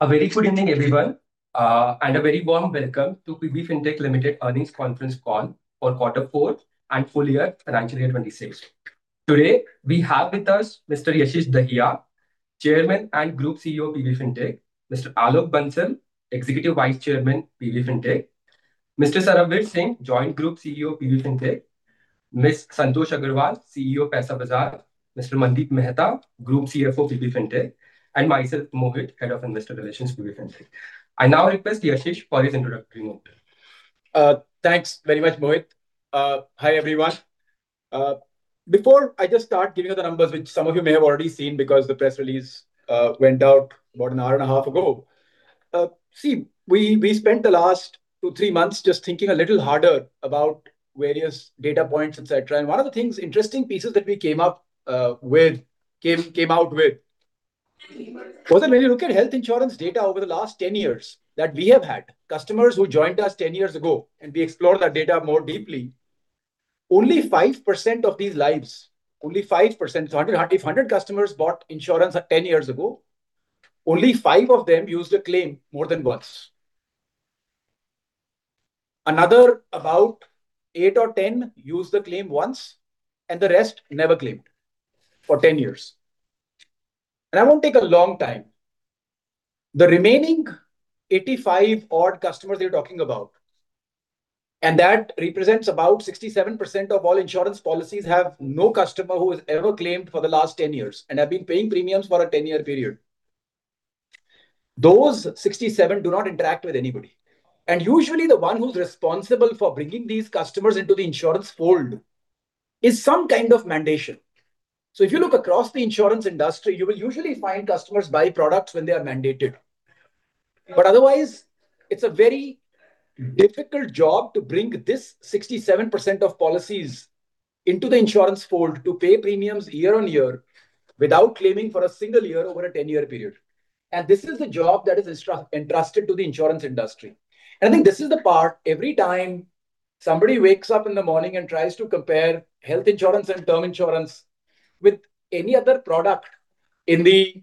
A very good evening, everyone. A very warm welcome to PB Fintech Limited Earnings Conference Call for Q4 and Full Year Financial Year 2026. Today, we have with us Mr. Yashish Dahiya, Chairman and Group CEO of PB Fintech, Mr. Alok Bansal, Executive Vice Chairman, PB Fintech, Mr. Sarbvir Singh, Joint Group CEO, PB Fintech, Ms. Santosh Agarwal, CEO Paisabazaar, Mr. Mandeep Mehta, Group CFO, PB Fintech, and myself, Mohit, Head of Investor Relations, PB Fintech. I now request Yashish for his introductory note. Thanks very much, Mohit. Hi, everyone. Before I just start giving you the numbers, which some of you may have already seen because the press release went out about an hour and a half ago. See, we spent the last two, three months just thinking a little harder about various data points, et cetera. One of the interesting pieces that we came out with was that when you look at health insurance data over the last 10 years that we have had, customers who joined us 10 years ago and we explore that data more deeply, only 5% of these lives. Only 5%. Out of 100 customers bought insurance 10 years ago, only five of them used a claim more than once. Another about eight or 10 used the claim once, and the rest never claimed for 10 years. I won't take a long time. The remaining 85 odd customers you're talking about, that represents about 67% of all insurance policies have no customer who has ever claimed for the last 10 years and have been paying premiums for a 10-year period. Those 67 do not interact with anybody. Usually the one who's responsible for bringing these customers into the insurance fold is some kind of mandation. If you look across the insurance industry, you will usually find customers buy products when they are mandated. Otherwise, it's a very difficult job to bring this 67% of policies into the insurance fold to pay premiums year on year without claiming for a 1 year over a 10-year period. This is a job that is entrusted to the insurance industry. I think this is the part every time somebody wakes up in the morning and tries to compare health insurance and term insurance with any other product in the,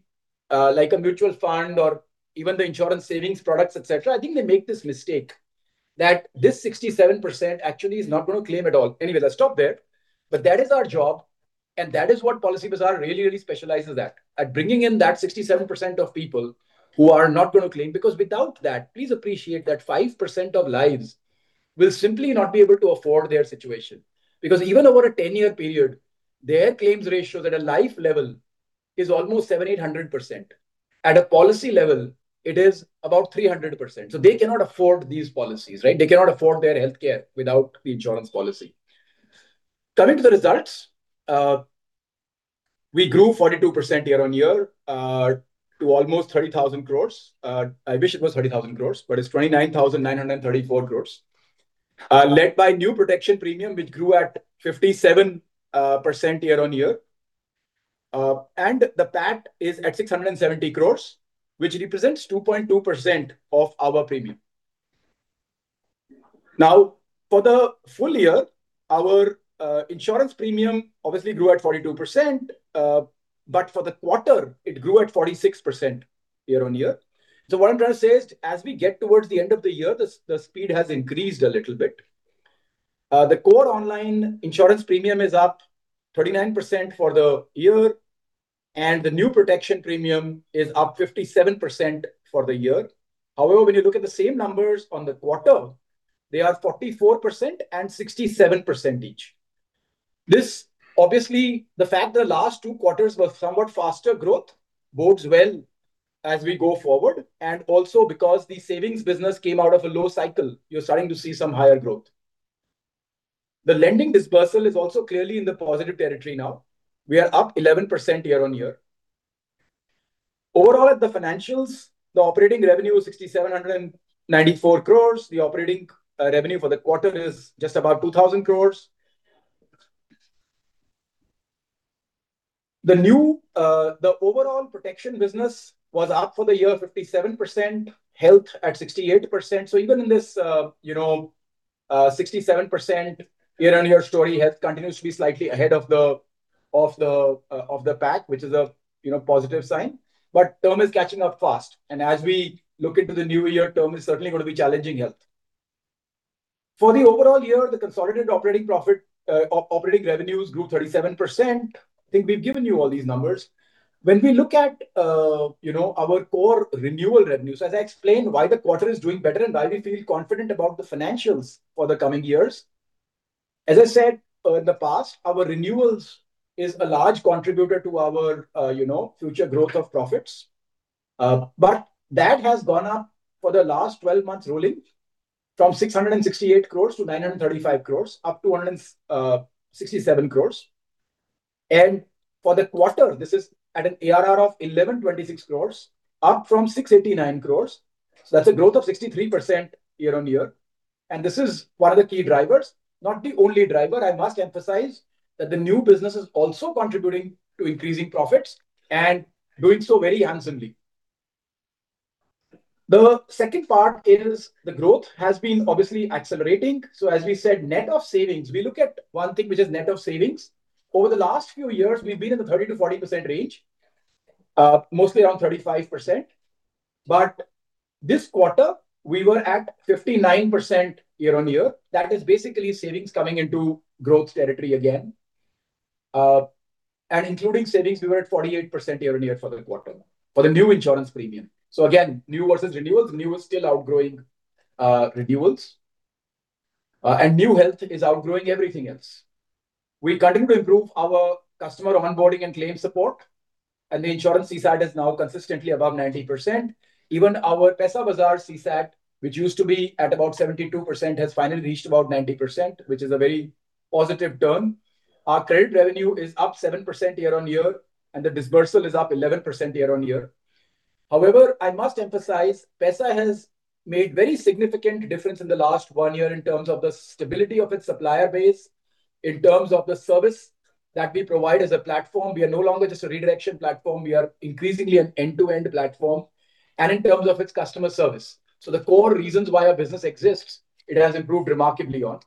like a mutual fund or even the insurance savings products, et cetera, I think they make this mistake that this 67% actually is not gonna claim at all. Let's stop there. That is our job, and that is what Policybazaar really, really specializes at bringing in that 67% of people who are not gonna claim because without that, please appreciate that 5% of lives will simply not be able to afford their situation. Because even over a 10-year period, their claims ratio at a life level is almost 700%-800%. At a policy level, it is about 300%. They cannot afford these policies, right? They cannot afford their healthcare without the insurance policy. Coming to the results, we grew 42% year-on-year to almost 30,000 crore. I wish it was 30,000 crore, but it's 29,934 crore. Led by new protection premium, which grew at 57% year-on-year. The PAT is at 670 crore, which represents 2.2% of our premium. For the full year, our insurance premium obviously grew at 42%, for the quarter it grew at 46% year-on-year. What I'm trying to say is, as we get towards the end of the year, the speed has increased a little bit. The core online insurance premium is up 39% for the year, and the new protection premium is up 57% for the year. When you look at the same numbers on the quarter, they are 44% and 67% each. This, obviously, the fact the last two quarters were somewhat faster growth bodes well as we go forward. Also because the savings business came out of a low cycle, you're starting to see some higher growth. The lending dispersal is also clearly in the positive territory now. We are up 11% year-on-year. Overall, at the financials, the operating revenue is 6,794 crores. The operating revenue for the quarter is just about 2,000 crores. The new, the overall protection business was up for the year 57%, health at 68%. Even in this, you know, 67% year-on-year story, health continues to be slightly ahead of the pack, which is a, you know, positive sign. Term is catching up fast. As we look into the new year, term is certainly gonna be challenging health. For the overall year, the consolidated operating profit, operating revenues grew 37%. I think we've given you all these numbers. When we look at, you know, our core renewal revenues, as I explained why the quarter is doing better and why we feel confident about the financials for the coming years. As I said, in the past, our renewals is a large contributor to our, you know, future growth of profits. That has gone up for the last 12 months rolling from 668 crore to 935 crore, up to 167 crore. For the quarter, this is at an ARR of 1,126 crore, up from 689 crore. That's a growth of 63% year-on-year. This is one of the key drivers, not the only driver. I must emphasize that the new business is also contributing to increasing profits and doing so very handsomely. The second part is the growth has been obviously accelerating. As we said, net of savings, we look at 1 thing, which is net of savings. Over the last few years, we've been in the 30% to 40% range, mostly around 35%. This quarter, we were at 59% year-on-year. That is basically savings coming into growth territory again. Including savings, we were at 48% year-on-year for the quarter, for the new insurance premium. Again, new versus renewals. New is still outgrowing renewals. New health is outgrowing everything else. We continue to improve our customer onboarding and claim support, and the insurance CSAT is now consistently above 90%. Our Paisabazaar CSAT, which used to be at about 72%, has finally reached about 90%, which is a very positive turn. Our credit revenue is up 7% year-on-year, and the dispersal is up 11% year-on-year. I must emphasize Paisa has made very significant difference in the last one year in terms of the stability of its supplier base, in terms of the service that we provide as a platform. We are no longer just a redirection platform. We are increasingly an end-to-end platform and in terms of its customer service. The core reasons why our business exists, it has improved remarkably on.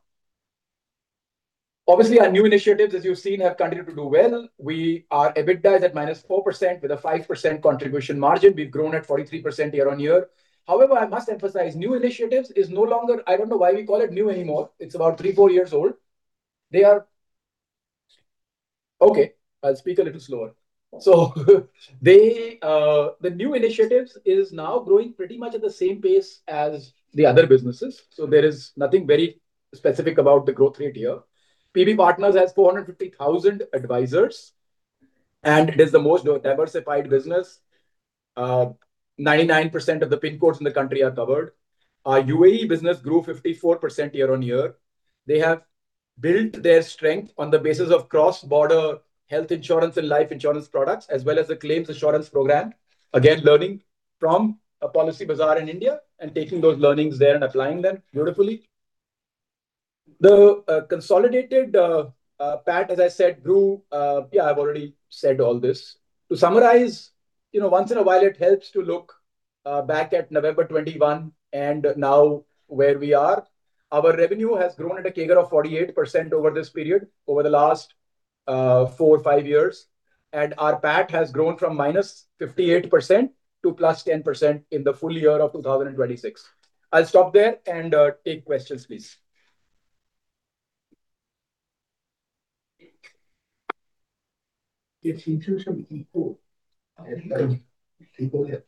Obviously, our new initiatives, as you've seen, have continued to do well. We are EBITDA is at minus 4% with a 5% contribution margin. We've grown at 43% year-on-year. However, I must emphasize, new initiatives is no longer. I don't know why we call it new anymore. It's about three, four years old. Okay, I'll speak a little slower. The new initiatives is now growing pretty much at the same pace as the other businesses. There is nothing very specific about the growth rate here. PB Partners has 450,000 advisors, and it is the most diversified business. 99% of the pin codes in the country are covered. Our UAE business grew 54% year-on-year. They have built their strength on the basis of cross-border health insurance and life insurance products, as well as the claims assurance program. Again, learning from Policybazaar in India and taking those learnings there and applying them beautifully. The consolidated PAT, as I said. Yeah, I've already said all this. To summarize, you know, once in a while, it helps to look back at November 2021 and now where we are. Our revenue has grown at a CAGR of 48% over this period, over the last 4-5 years. Our PAT has grown from -58% to +10% in the full year of 2026. I'll stop there and take questions, please. It's inclusion equal. Equal, yeah.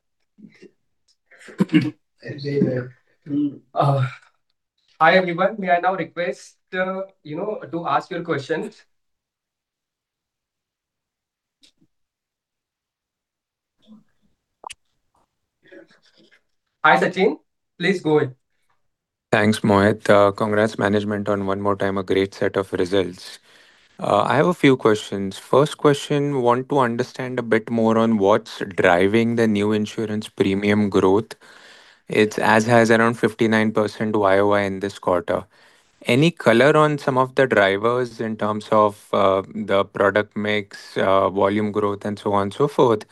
Hi, everyone. May I now request, you know, to ask your questions? Hi, Sachin. Please go ahead. Thanks, Mohit. Congrats management on one more time, a great set of results. I have a few questions. First question, want to understand a bit more on what's driving the new insurance premium growth. It's as has around 59% YOY in this quarter. Any color on some of the drivers in terms of the product mix, volume growth, and so on and so forth?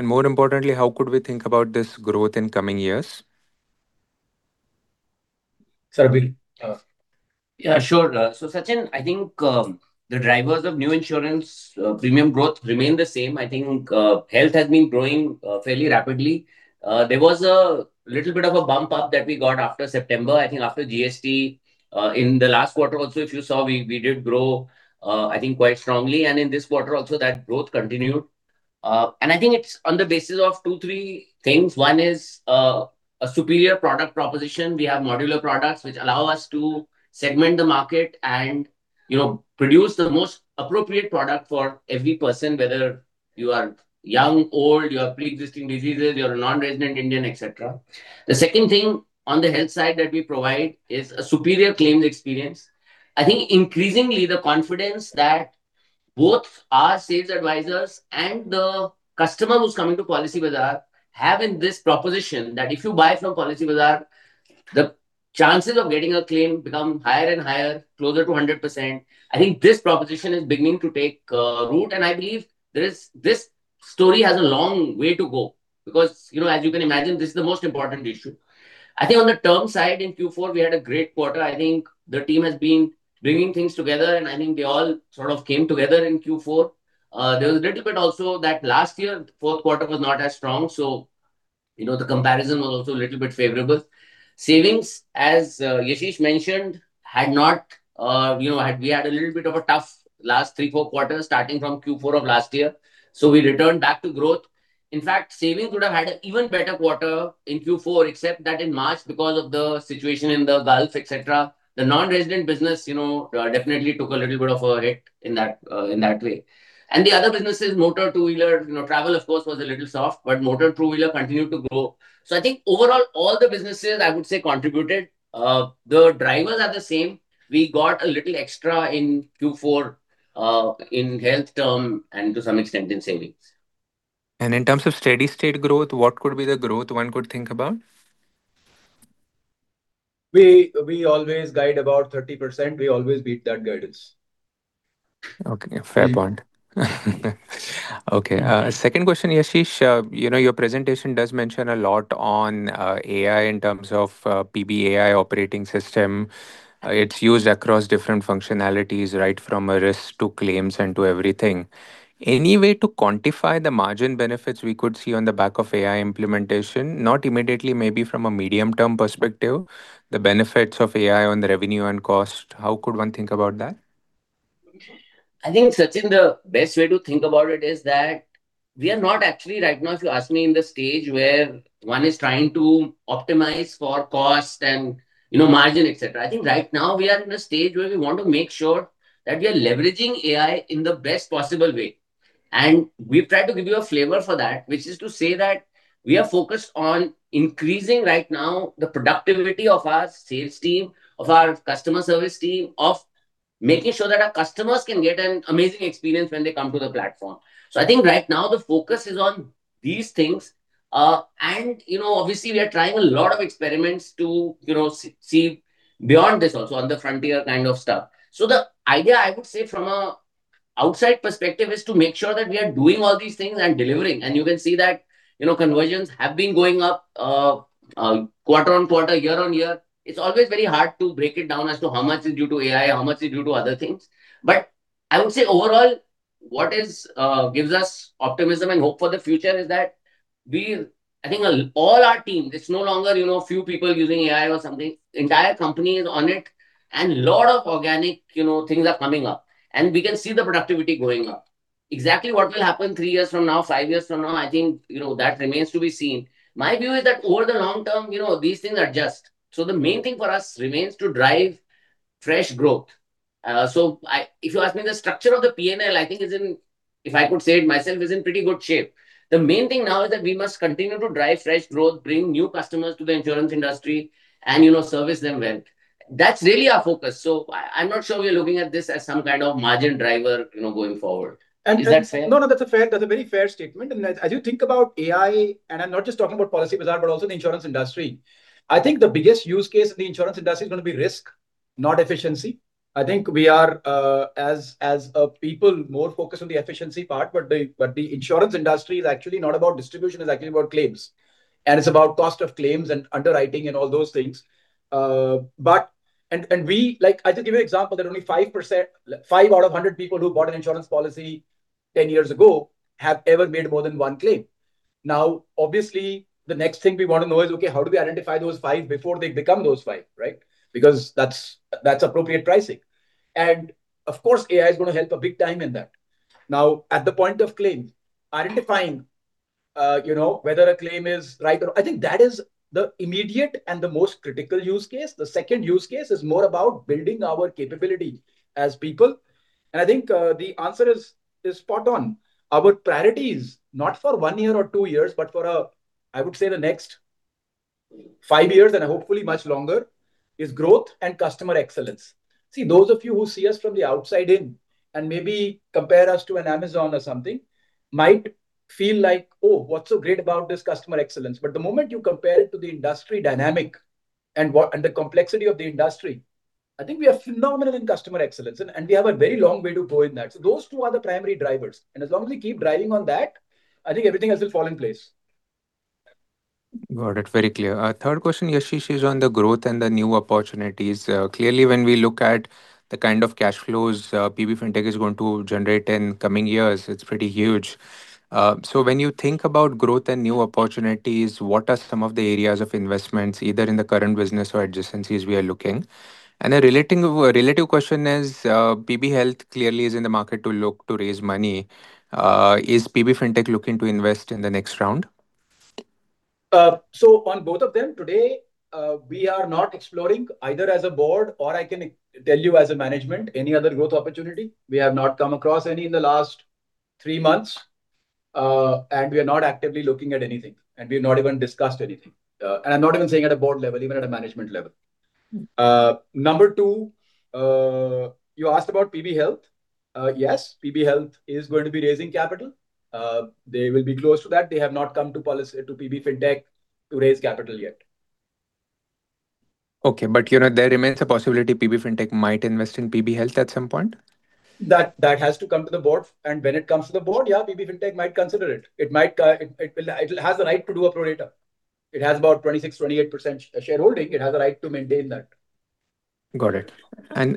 More importantly, how could we think about this growth in coming years? Sarbvir. Yeah, sure. Sachin, I think the drivers of new insurance premium growth remain the same. I think health has been growing fairly rapidly. There was a little bit of a bump up that we got after September. I think after GST, in the last quarter also, if you saw, we did grow, I think, quite strongly. In this quarter also, that growth continued. I think it's on the basis of two, three things. One is a superior product proposition. We have modular products which allow us to segment the market and, you know, produce the most appropriate product for every person, whether you are young, old, you have preexisting diseases, you're a non-resident Indian, et cetera. The second thing on the health side that we provide is a superior claims experience. I think increasingly the confidence that both our sales advisors and the customer who's coming to Policybazaar have in this proposition that if you buy from Policybazaar, the chances of getting a claim become higher and higher, closer to 100%. I think this proposition is beginning to take root, and I believe this story has a long way to go because, you know, as you can imagine, this is the most important issue. I think on the term side, in Q4 we had a great quarter. I think the team has been bringing things together, and I think they all sort of came together in Q4. There was a little bit also that last year, Q4 was not as strong, so, you know, the comparison was also a little bit favorable. Savings, as Yashish mentioned, had not, you know, we had a little bit of a tough last 3, 4 quarters, starting from Q4 of last year. We returned back to growth. In fact, savings would have had an even better quarter in Q4, except that in March, because of the situation in the Gulf, et cetera, the non-resident business, you know, definitely took a little bit of a hit in that, in that way. The other businesses, motor, two-wheeler, you know, travel, of course, was a little soft, but motor and two-wheeler continued to grow. I think overall, all the businesses, I would say, contributed. The drivers are the same. We got a little extra in Q4, in health term and to some extent in savings. In terms of steady state growth, what could be the growth one could think about? We always guide about 30%. We always beat that guidance. Okay. Fair point. Second question, Yashish. You know, your presentation does mention a lot on AI in terms of PB AI Operating System. It's used across different functionalities, right from a risk to claims and to everything. Any way to quantify the margin benefits we could see on the back of AI implementation? Not immediately, maybe from a medium-term perspective, the benefits of AI on the revenue and cost. How could one think about that? I think, Sachin, the best way to think about it is that we are not actually right now, if you ask me, in the stage where one is trying to optimize for cost and, you know, margin, et cetera. I think right now we are in a stage where we want to make sure that we are leveraging AI in the best possible way. We've tried to give you a flavor for that, which is to say that we are focused on increasing right now the productivity of our sales team, of our customer service team, of making sure that our customers can get an amazing experience when they come to the platform. I think right now the focus is on these things. you know, obviously, we are trying a lot of experiments to, you know, see beyond this also, on the frontier kind of stuff. The idea, I would say, from a outside perspective, is to make sure that we are doing all these things and delivering. You can see that, you know, conversions have been going up, quarter-on-quarter, year-on-year. It's always very hard to break it down as to how much is due to AI or how much is due to other things. I would say overall, what gives us optimism and hope for the future is that we, I think all our team, it's no longer, you know, a few people using AI or something, the entire company is on it, and a lot of organic, you know, things are coming up. We can see the productivity going up. Exactly what will happen three years from now, five years from now, I think, you know, that remains to be seen. My view is that over the long term, you know, these things adjust. The main thing for us remains to drive fresh growth. If you ask me, the structure of the P&L, I think is in, if I could say it myself, is in pretty good shape. The main thing now is that we must continue to drive fresh growth, bring new customers to the insurance industry and, you know, service them well. That's really our focus. I'm not sure we are looking at this as some kind of margin driver, you know, going forward. Is that fair? No, that's a very fair statement. As you think about AI, I'm not just talking about Policybazaar, but also the insurance industry, I think the biggest use case in the insurance industry is going to be risk, not efficiency. I think we are, as a people, more focused on the efficiency part, but the insurance industry is actually not about distribution, it's actually about claims, and it's about cost of claims and underwriting and all those things. I'll just give you an example that only 5%— 5 out of 100 people who bought an insurance policy 10 years ago have ever made more than 1 claim. Obviously, the next thing we want to know is, okay, how do we identify those five before they become those five, right? Because that's appropriate pricing. Of course, AI is gonna help a big time in that. At the point of claim, identifying, you know, whether a claim is right or I think that is the immediate and the most critical use case. The second use case is more about building our capability as people. I think the answer is spot on. Our priority is not for one year or two years, but for, I would say the next five years and hopefully much longer, is growth and customer excellence. Those of you who see us from the outside in and maybe compare us to an Amazon or something might feel like, "Oh, what's so great about this customer excellence?" But the moment you compare it to the industry dynamic and the complexity of the industry, I think we are phenomenal in customer excellence and we have a very long way to go in that. Those two are the primary drivers, and as long as we keep driving on that, I think everything else will fall in place. Got it. Very clear. Third question, Yashish, is on the growth and the new opportunities. Clearly when we look at the kind of cash flows, PB Fintech is going to generate in coming years, it's pretty huge. When you think about growth and new opportunities, what are some of the areas of investments, either in the current business or adjacencies we are looking? A relative question is, PB Health clearly is in the market to look to raise money. Is PB Fintech looking to invest in the next round? On both of them, today, we are not exploring either as a board or I can tell you as a management any other growth opportunity. We have not come across any in the last three months, and we are not actively looking at anything, and we've not even discussed anything. I'm not even saying at a board level, even at a management level. Number two, you asked about PB Health. Yes, PB Health is going to be raising capital. They will be close to that. They have not come to PB Fintech to raise capital yet. Okay. You know, there remains a possibility PB Fintech might invest in PB Health at some point? That has to come to the board. When it comes to the board, yeah, PB Fintech might consider it. It might, it has the right to do a pro rata. It has about 26%, 28% shareholding. It has the right to maintain that. Got it.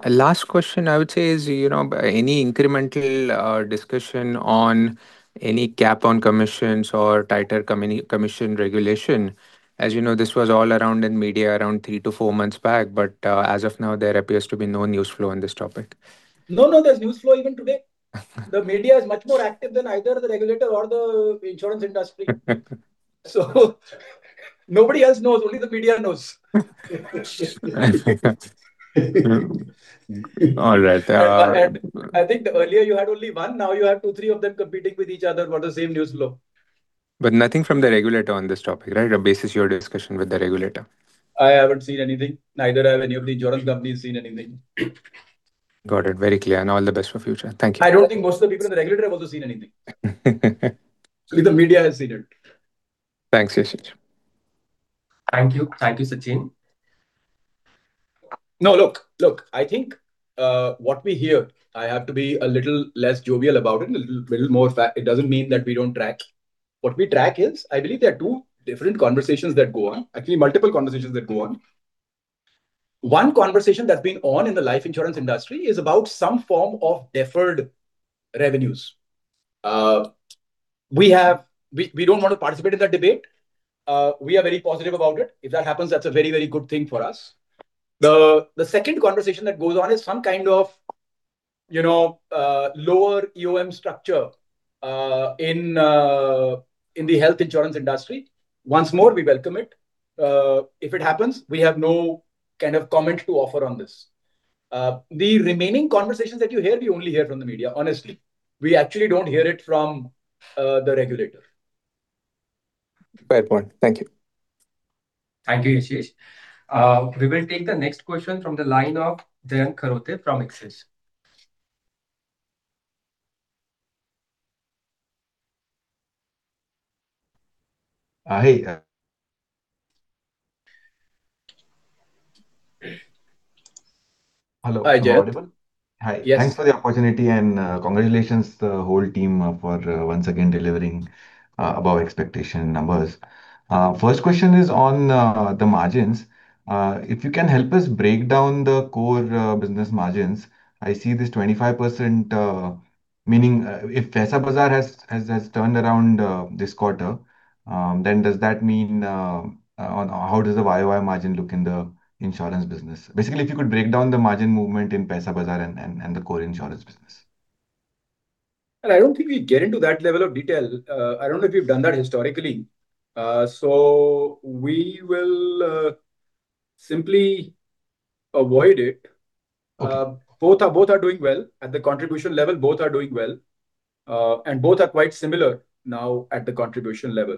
Last question I would say is, you know, any incremental discussion on any cap on commissions or tighter commission regulation? As you know, this was all around in media around three to four months back, as of now, there appears to be no news flow on this topic. No, no, there's news flow even today. The media is much more active than either the regulator or the insurance industry. Nobody else knows, only the media knows. All right. I think earlier you had only one, now you have two, three of them competing with each other for the same news flow. Nothing from the regulator on this topic, right? Basis your discussion with the regulator. I haven't seen anything, neither have any of the insurance companies seen anything. Got it. Very clear. All the best for future. Thank you. I don't think most of the people in the regulator have also seen anything. Only the media has seen it. Thanks, Yashish. Thank you. Thank you, Sachin. No, look, I think, what we hear, I have to be a little less jovial about it, a little more. It doesn't mean that we don't track. What we track is, I believe there are two different conversations that go on. Actually, multiple conversations that go on. One conversation that's been on in the life insurance industry is about some form of deferred revenues. We don't want to participate in that debate. We are very positive about it. If that happens, that's a very good thing for us. The second conversation that goes on is some kind of, you know, lower EOM structure in the health insurance industry. Once more, we welcome it. If it happens, we have no kind of comment to offer on this. The remaining conversations that you hear, we only hear from the media, honestly. We actually don't hear it from the regulator. Fair point. Thank you. Thank you, Yashish. We will take the next question from the line of Jayant Kharote from Axis. hi, Hello. Hi, Jayant. Am I audible? Yes. Hi. Thanks for the opportunity and congratulations the whole team for once again delivering above expectation numbers. First question is on the margins. If you can help us break down the core business margins. I see this 25%, meaning if Paisabazaar has turned around this quarter, then does that mean how does the YOY margin look in the insurance business? Basically, if you could break down the margin movement in Paisabazaar and the core insurance business. I don't think we get into that level of detail. I don't know if we've done that historically. We will simply avoid it. Okay. Both are doing well. At the contribution level, both are doing well. Both are quite similar now at the contribution level.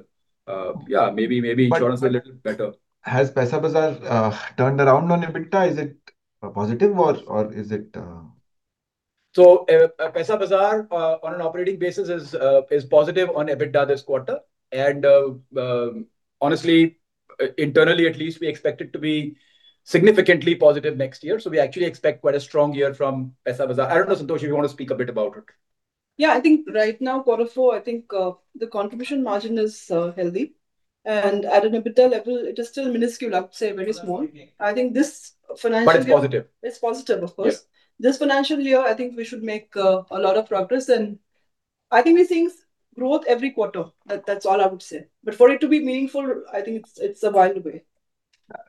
Yeah, maybe insurance. But- a little better. has Paisabazaar turned around on EBITDA? Is it positive or is it? Paisabazaar on an operating basis is positive on EBITDA this quarter. Honestly, internally at least, we expect it to be significantly positive next year. We actually expect quite a strong year from Paisabazaar. I don't know, Santosh Agarwal, if you want to speak a bit about it. Yeah, I think right now, quarter four, I think, the contribution margin is healthy. At an EBITDA level, it is still minuscule, I'd say very small. It's positive. It's positive, of course. Yeah. This financial year, I think we should make a lot of progress. I think we're seeing growth every quarter. That's all I would say. For it to be meaningful, I think it's a while away.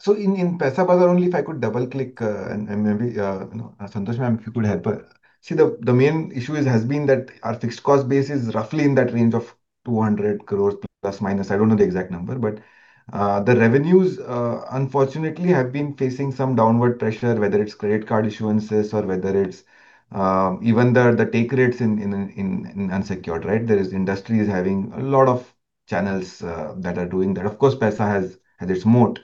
In Paisabazaar, only if I could double-click, you know, Santosh ma'am, if you could help. See, the main issue has been that our fixed cost base is roughly in that range of 200 crores plus, minus. I don't know the exact number. The revenues, unfortunately, have been facing some downward pressure, whether it's credit card issuances or whether it's even the take rates in unsecured, right? There is industries having a lot of channels that are doing that. Of course, Paisabazaar has its moat,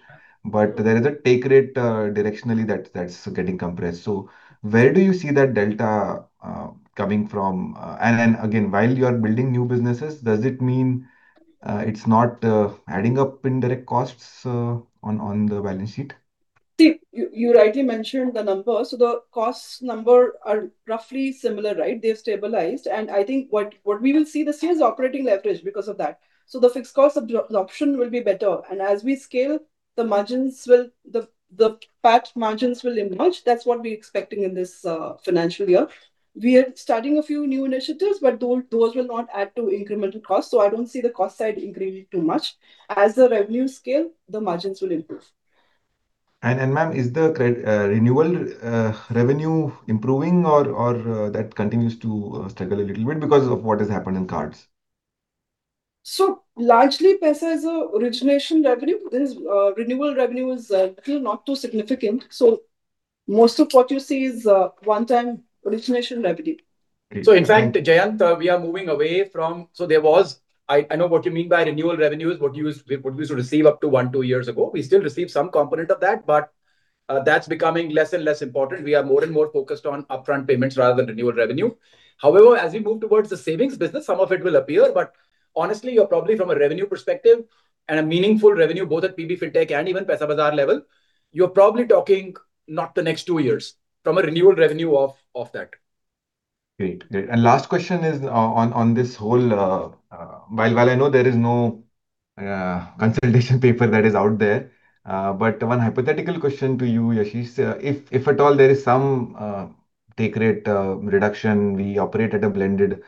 but there is a take rate directionally that's getting compressed. Where do you see that delta coming from? Again, while you are building new businesses, does it mean, it's not, adding up indirect costs, on the balance sheet? You rightly mentioned the numbers. The cost numbers are roughly similar, right? They've stabilized. I think what we will see this year is operating leverage because of that. The fixed cost absorption will be better. As we scale, the margins will, the PAT margins will emerge. That's what we're expecting in this financial year. We are starting a few new initiatives, but those will not add to incremental costs. I don't see the cost side increasing too much. As the revenues scale, the margins will improve. Ma'am, is the credit renewal revenue improving or that continues to struggle a little bit because of what has happened in cards? Largely, Paisa is a origination revenue. This renewal revenue is actually not too significant. Most of what you see is one-time origination revenue. In fact, Jayant, we are moving away from I know what you mean by renewal revenues, what we used to receive up to one, two years ago. We still receive some component of that, but that's becoming less and less important. We are more and more focused on upfront payments rather than renewal revenue. However, as we move towards the savings business, some of it will appear. Honestly, you're probably from a revenue perspective and a meaningful revenue both at PB Fintech and even Paisabazaar level, you're probably talking not the next two years from a renewal revenue of that. Great. Great. Last question is on this whole while I know there is no consultation paper that is out there, but one hypothetical question to you, Yashish. If at all there is some take rate reduction, we operate at a blended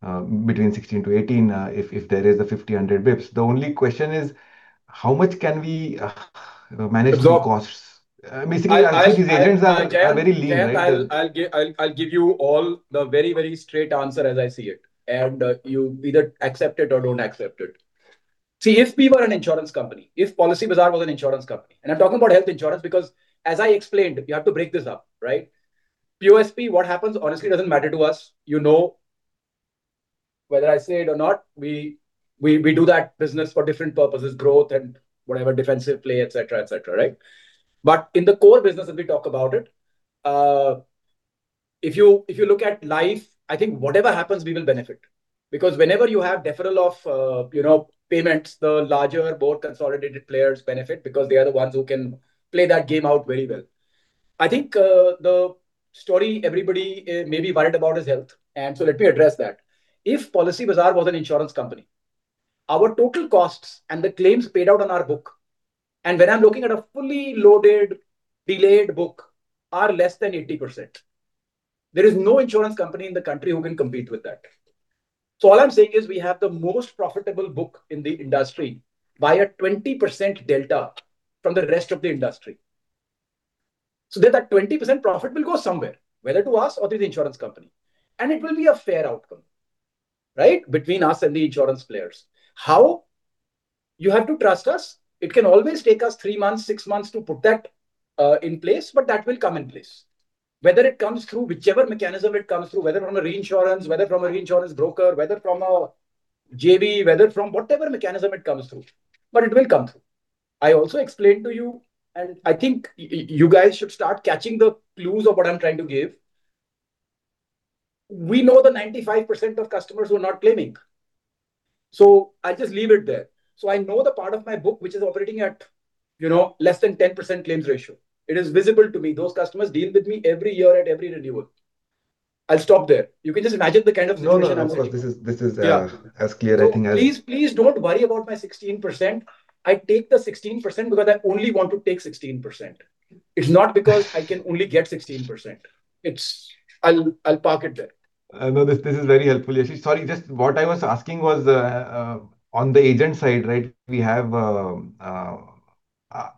between 16 to 18, if there is a 50, 100 basis points. The only question is how much can we manage the costs? So- Basically, I think these agents are very lean, right? Jayant, I'll give you all the very, very straight answer as I see it. You either accept it or don't accept it. See, if we were an insurance company, if Policybazaar was an insurance company, I'm talking about health insurance because as I explained, you have to break this up, right? POSP, what happens honestly doesn't matter to us. You know, whether I say it or not, we do that business for different purposes, growth and whatever defensive play, et cetera, et cetera, right? In the core business, if we talk about it, if you look at life, I think whatever happens, we will benefit. Whenever you have deferral of, you know, payments, the larger, more consolidated players benefit because they are the ones who can play that game out very well. I think the story everybody may be worried about is health, let me address that. If Policybazaar was an insurance company, our total costs and the claims paid out on our book, and when I'm looking at a fully loaded delayed book, are less than 80%. There is no insurance company in the country who can compete with that. All I'm saying is we have the most profitable book in the industry by a 20% delta from the rest of the industry. That, that 20% profit will go somewhere, whether to us or to the insurance company, and it will be a fair outcome, right, between us and the insurance players. How? You have to trust us. It can always take us three months, six months to put that in place, that will come in place. Whether it comes through whichever mechanism it comes through, whether from a reinsurance, whether from a reinsurance broker, whether from a JV, whether from whatever mechanism it comes through, but it will come through. I also explained to you, and I think you guys should start catching the clues of what I'm trying to give. We know that 95% of customers were not claiming, so I just leave it there. I know the part of my book which is operating at, you know, less than 10% claims ratio. It is visible to me. Those customers deal with me every year at every renewal. I'll stop there. You can just imagine the kind of conclusion I'm saying. No, no. Of course. This is. Yeah as clear, I think. Please don't worry about my 16%. I take the 16% because I only want to take 16%. It's not because I can only get 16%. I'll park it there. No, this is very helpful, Yashish. Sorry, just what I was asking was on the agent side, right, we have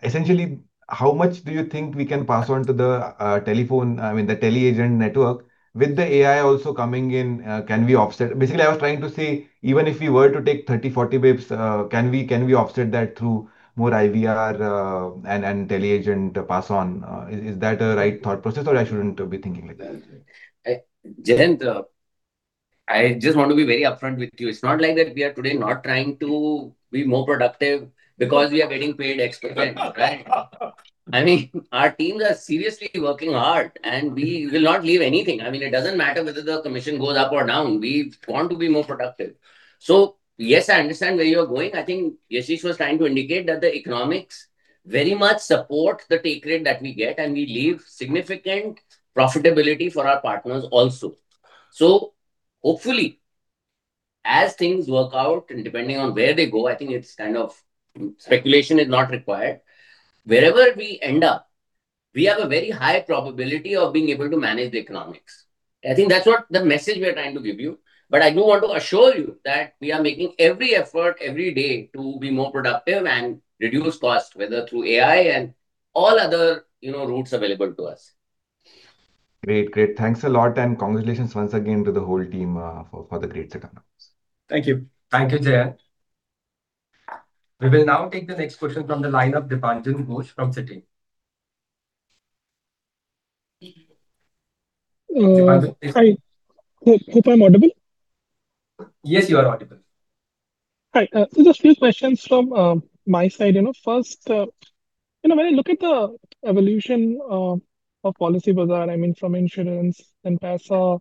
essentially how much do you think we can pass on to the telephone, I mean, the tele agent network? With the AI also coming in, can we offset? Basically, I was trying to say, even if we were to take 30, 40 basis, can we offset that through more IVR and tele agent pass on? Is that a right thought process or I shouldn't be thinking like that? Jayant, I just want to be very upfront with you. It's not like that we are today not trying to be more productive because we are getting paid X percent, right? I mean, our teams are seriously working hard, and we will not leave anything. I mean, it doesn't matter whether the commission goes up or down. We want to be more productive. Yes, I understand where you're going. I think Yashish was trying to indicate that the economics very much support the take rate that we get, and we leave significant profitability for our partners also. Hopefully, as things work out and depending on where they go, I think it's kind of speculation is not required. Wherever we end up, we have a very high probability of being able to manage the economics. I think that's what the message we are trying to give you. I do want to assure you that we are making every effort every day to be more productive and reduce costs, whether through AI and all other, you know, routes available to us. Great. Great. Thanks a lot, and congratulations once again to the whole team for the great set of numbers. Thank you. Thank you, Jayant. We will now take the next question from the line of Dipanjan Ghosh from Citigroup. Dipanjan, please. Hi. Hope I'm audible. Yes, you are audible. Just few questions from my side. You know, first, you know, when I look at the evolution of Policybazaar, I mean, from insurance and POSPs,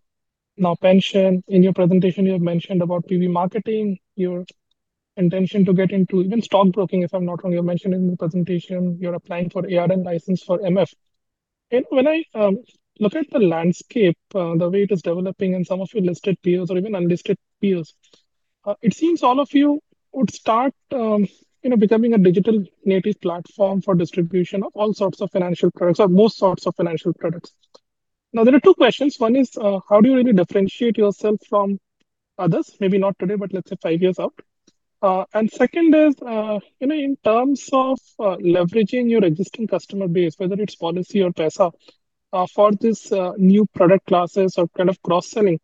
now pension. In your presentation, you have mentioned about PB marketing, your intention to get into even stockbroking, if I'm not wrong. You mentioned in your presentation you're applying for ARN license for MF. When I look at the landscape, the way it is developing and some of your listed peers or even unlisted peers, it seems all of you would start, you know, becoming a digital-native platform for distribution of all sorts of financial products or most sorts of financial products. There are two questions. One is, how do you really differentiate yourself from others? Maybe not today, but let's say five years out. Second is, you know, in terms of leveraging your existing customer base, whether it's Policy or Paisabazaar, for this new product classes or kind of cross-selling,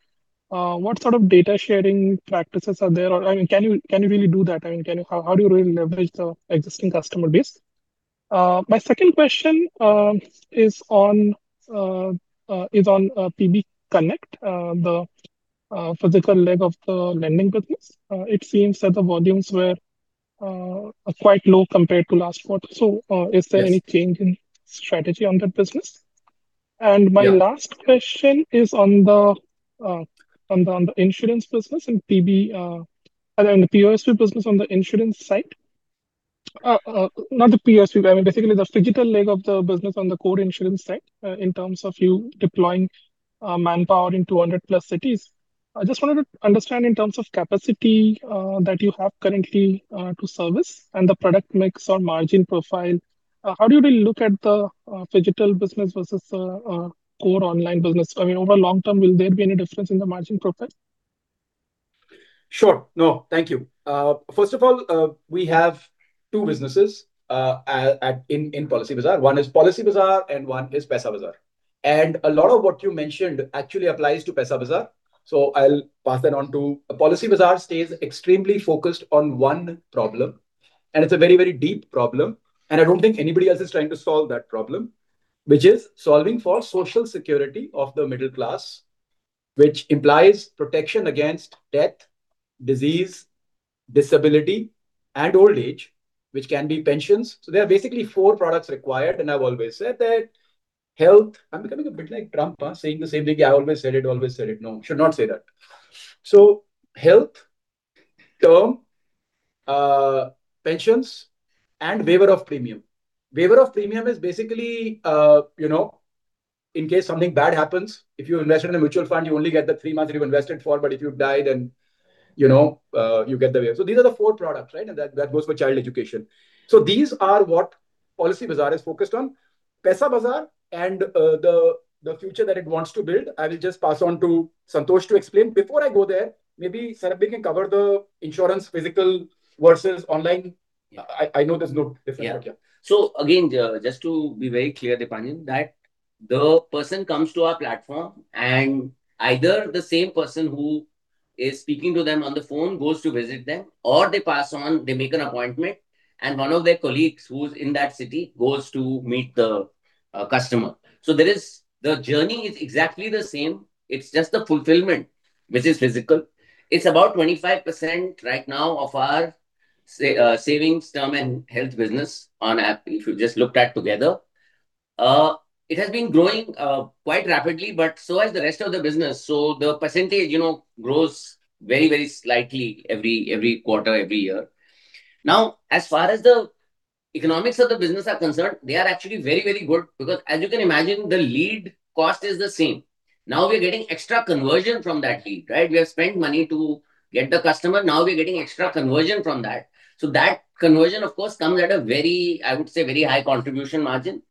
what sort of data sharing practices are there? I mean, can you really do that? I mean, how do you really leverage the existing customer base? My second question is on PB Connect, the physical leg of the lending business. It seems that the volumes were quite low compared to last quarter. Yes. Is there any change in strategy on that business? Yeah. My last question is on the insurance business and PB, I mean, the POSP business on the insurance side. Not the POSP. I mean, basically the phygital leg of the business on the core insurance side, in terms of you deploying manpower in 200 plus cities. I just wanted to understand in terms of capacity that you have currently to service and the product mix or margin profile. How do you really look at the phygital business versus core online business? I mean, over long term, will there be any difference in the margin profile? Sure. No, thank you. First of all, we have two businesses at Policybazaar. One is Policybazaar and one is Paisabazaar. A lot of what you mentioned actually applies to Paisabazaar, so I'll pass that on to Policybazaar stays extremely focused on one problem, and it's a very, very deep problem, and I don't think anybody else is trying to solve that problem, which is solving for social security of the middle class. Which implies protection against death, disease, disability, and old age, which can be pensions. There are basically four products required, and I've always said that health I'm becoming a bit like Trump, huh, saying the same thing. I always said it. No, should not say that. Health, term, pensions and waiver of premium. Waiver of premium is basically, you know, in case something bad happens, if you invested in a mutual fund, you only get the three months you've invested for. If you've died then, you know, you get the waiver. These are the four products, right? That goes for child education. These are what Policybazaar is focused on. Paisabazaar and, the future that it wants to build, I will just pass on to Santosh to explain. Before I go there, maybe, Sarbvir, you can cover the insurance physical versus online. I know there's no difference, but yeah. Yeah. Again, just to be very clear, Dipanjan, that the person comes to our platform, and either the same person who is speaking to them on the phone goes to visit them or they pass on, they make an appointment, and one of their colleagues who's in that city goes to meet the customer. The journey is exactly the same. It's just the fulfillment which is physical. It's about 25% right now of our savings term and health business on app if you just looked at together. It has been growing quite rapidly, but so has the rest of the business. The percentage, you know, grows very, very slightly every quarter, every year. As far as the economics of the business are concerned, they are actually very, very good because as you can imagine, the lead cost is the same. Now we're getting extra conversion from that lead, right? We have spent money to get the customer. Now we're getting extra conversion from that. That conversion, of course, comes at a very, I would say, very high contribution margin.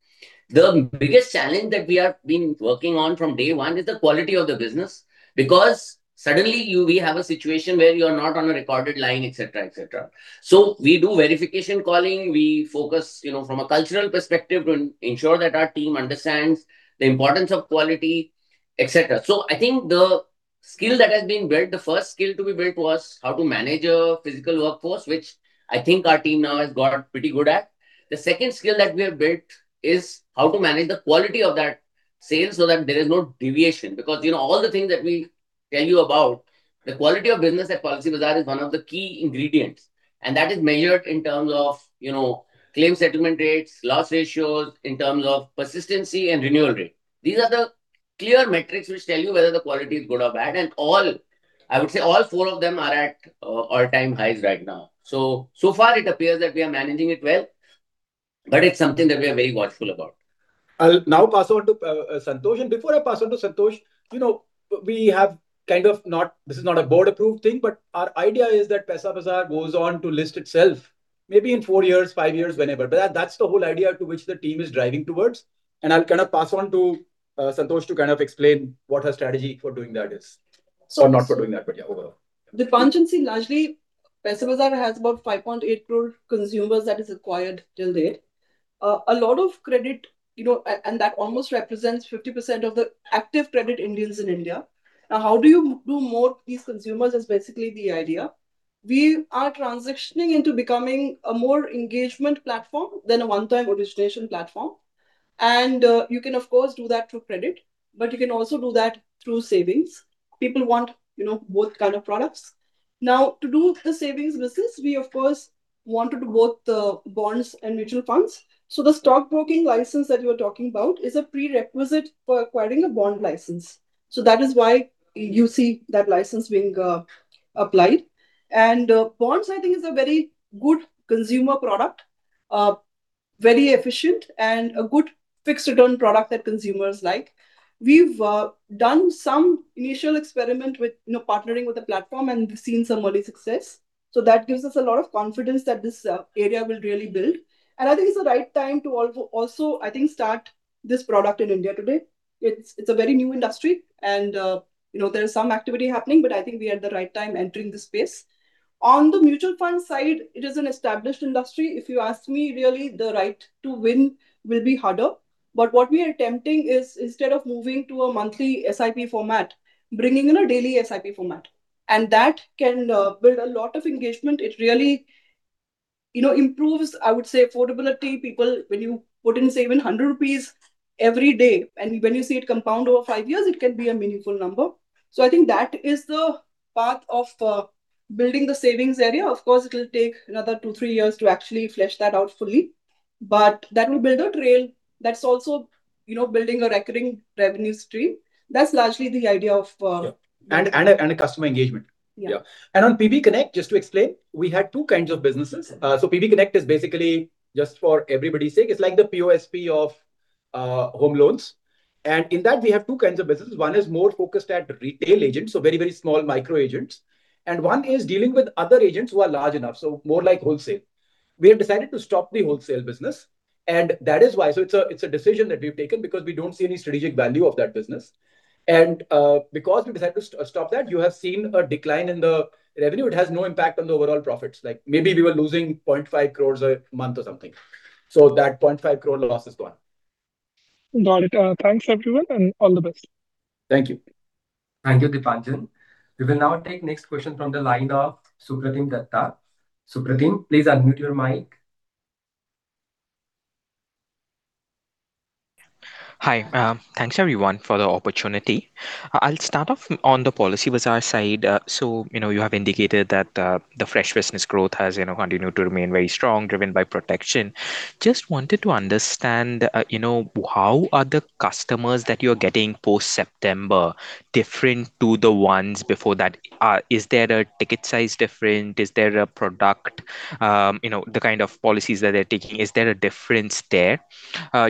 The biggest challenge that we have been working on from day one is the quality of the business, because suddenly you we have a situation where you are not on a recorded line, et cetera, et cetera. We do verification calling. We focus, you know, from a cultural perspective to ensure that our team understands the importance of quality, et cetera. I think the skill that has been built, the first skill to be built was how to manage a physical workforce, which I think our team now has got pretty good at. The second skill that we have built is how to manage the quality of that sale so that there is no deviation, because, you know, all the things that we tell you about, the quality of business at Policybazaar is one of the key ingredients, and that is measured in terms of, you know, claim settlement rates, loss ratios, in terms of persistency and renewal rate. These are the clear metrics which tell you whether the quality is good or bad, and all, I would say, all four of them are at all-time highs right now. So far it appears that we are managing it well, but it's something that we are very watchful about. I'll now pass on to Santosh. Before I pass on to Santosh, you know, this is not a board-approved thing, but our idea is that Paisabazaar goes on to list itself maybe in four years, five years, whenever. That's the whole idea to which the team is driving towards. I'll kind of pass on to Santosh to kind of explain what her strategy for doing that is. So- Not for doing that, but yeah, overall. Dipanjan, see, largely Paisabazaar has about 5.8 crore consumers that is acquired till date. A lot of credit, you know, and that almost represents 50% of the active credit Indians in India. How do you do more of these consumers is basically the idea. We are transitioning into becoming a more engagement platform than a one-time origination platform. You can of course do that through credit, but you can also do that through savings. People want, you know, both kind of products. To do the savings business, we of course wanted both the bonds and mutual funds. The stockbroking license that you are talking about is a prerequisite for acquiring a bond license, so that is why you see that license being applied. Bonds, I think, is a very good consumer product, very efficient and a good fixed return product that consumers like. We've done some initial experiment with, you know, partnering with the platform, and we've seen some early success. That gives us a lot of confidence that this area will really build. I think it's the right time to also, I think, start this product in India today. It's a very new industry and, you know, there is some activity happening, but I think we are at the right time entering the space. On the mutual fund side, it is an established industry. If you ask me, really, the right to win will be harder. What we are attempting is instead of moving to a monthly SIP format, bringing in a daily SIP format, and that can build a lot of engagement. It really, you know, improves, I would say, affordability. People, when you put in, say, even 100 rupees every day, and when you see it compound over five years, it can be a meaningful number. I think that is the path of building the savings area. Of course, it'll take another two, three years to actually flesh that out fully. That will build a trail that's also, you know, building a recurring revenue stream. That's largely the idea. Yeah. A customer engagement. Yeah. On PB Connect, just to explain, we had two kinds of businesses. PB Connect is basically, just for everybody's sake, it's like the POSP of home loans. In that we have two kinds of businesses. one is more focused at retail agents, so very, very small micro agents. One is dealing with other agents who are large enough, so more like wholesale. We have decided to stop the wholesale business, that is why. It's a decision that we've taken because we don't see any strategic value of that business. Because we decided to stop that, you have seen a decline in the revenue. It has no impact on the overall profits. Like, maybe we were losing 0.5 crore a month or something. That 0.5 crore loss is gone. Got it. Thanks everyone, and all the best. Thank you. Thank you, Dipanjan. We will now take next question from the line of Supratim Dutta. Supratim, please unmute your mic. Hi. Thanks everyone for the opportunity. I'll start off on the Policybazaar side. You know, you have indicated that the fresh business growth has, you know, continued to remain very strong, driven by protection. Just wanted to understand, you know, how are the customers that you're getting post-September different to the ones before that? Is there a ticket size different? Is there a product, you know, the kind of policies that they're taking, is there a difference there?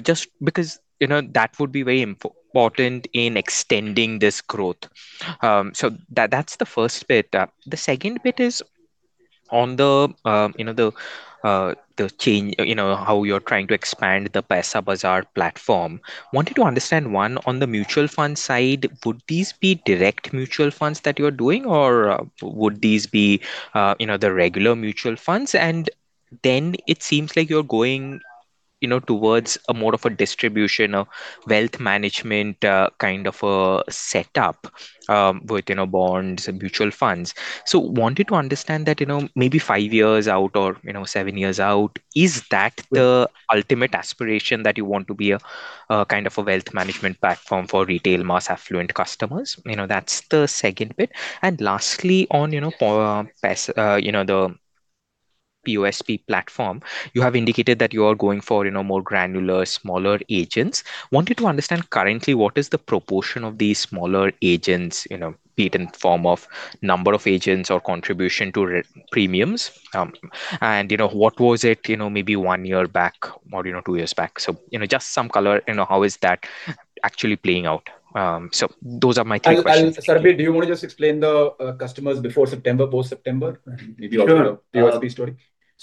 Just because, you know, that would be very important in extending this growth. That, that's the first bit. The second bit is on the, you know, the change, you know, how you're trying to expand the Paisabazaar platform. Wanted to understand, one, on the mutual fund side, would these be direct mutual funds that you're doing or, you know, the regular mutual funds? It seems like you're going, you know, towards a more of a distribution or wealth management, kind of a setup, with, you know, bonds and mutual funds. Wanted to understand that, you know, maybe five years out or, you know, seven years out, is that the ultimate aspiration that you want to be a kind of a wealth management platform for retail mass affluent customers? You know, that's the second bit. Lastly, on, you know, for the POSP platform, you have indicated that you are going for, you know, more granular, smaller agents. Wanted to understand currently what is the proportion of these smaller agents, you know, be it in form of number of agents or contribution to renewal premiums, and, you know, what was it, you know, maybe one year back or, you know, two years back. You know, just some color, you know, how is that actually playing out. Those are my three questions. Sarbvir, do you wanna just explain the customers before September, post-September? Sure.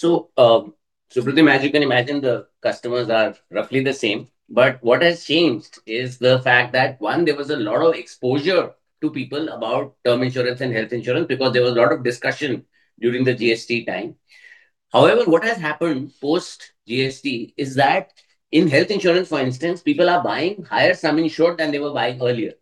Maybe also the POSP story. Supratim Dutta, as you can imagine, the customers are roughly the same. What has changed is the fact that, one, there was a lot of exposure to people about term insurance and health insurance because there was a lot of discussion during the GST time. What has happened post-GST is that in health insurance, for instance, people are buying higher sum insured than they were buying earlier.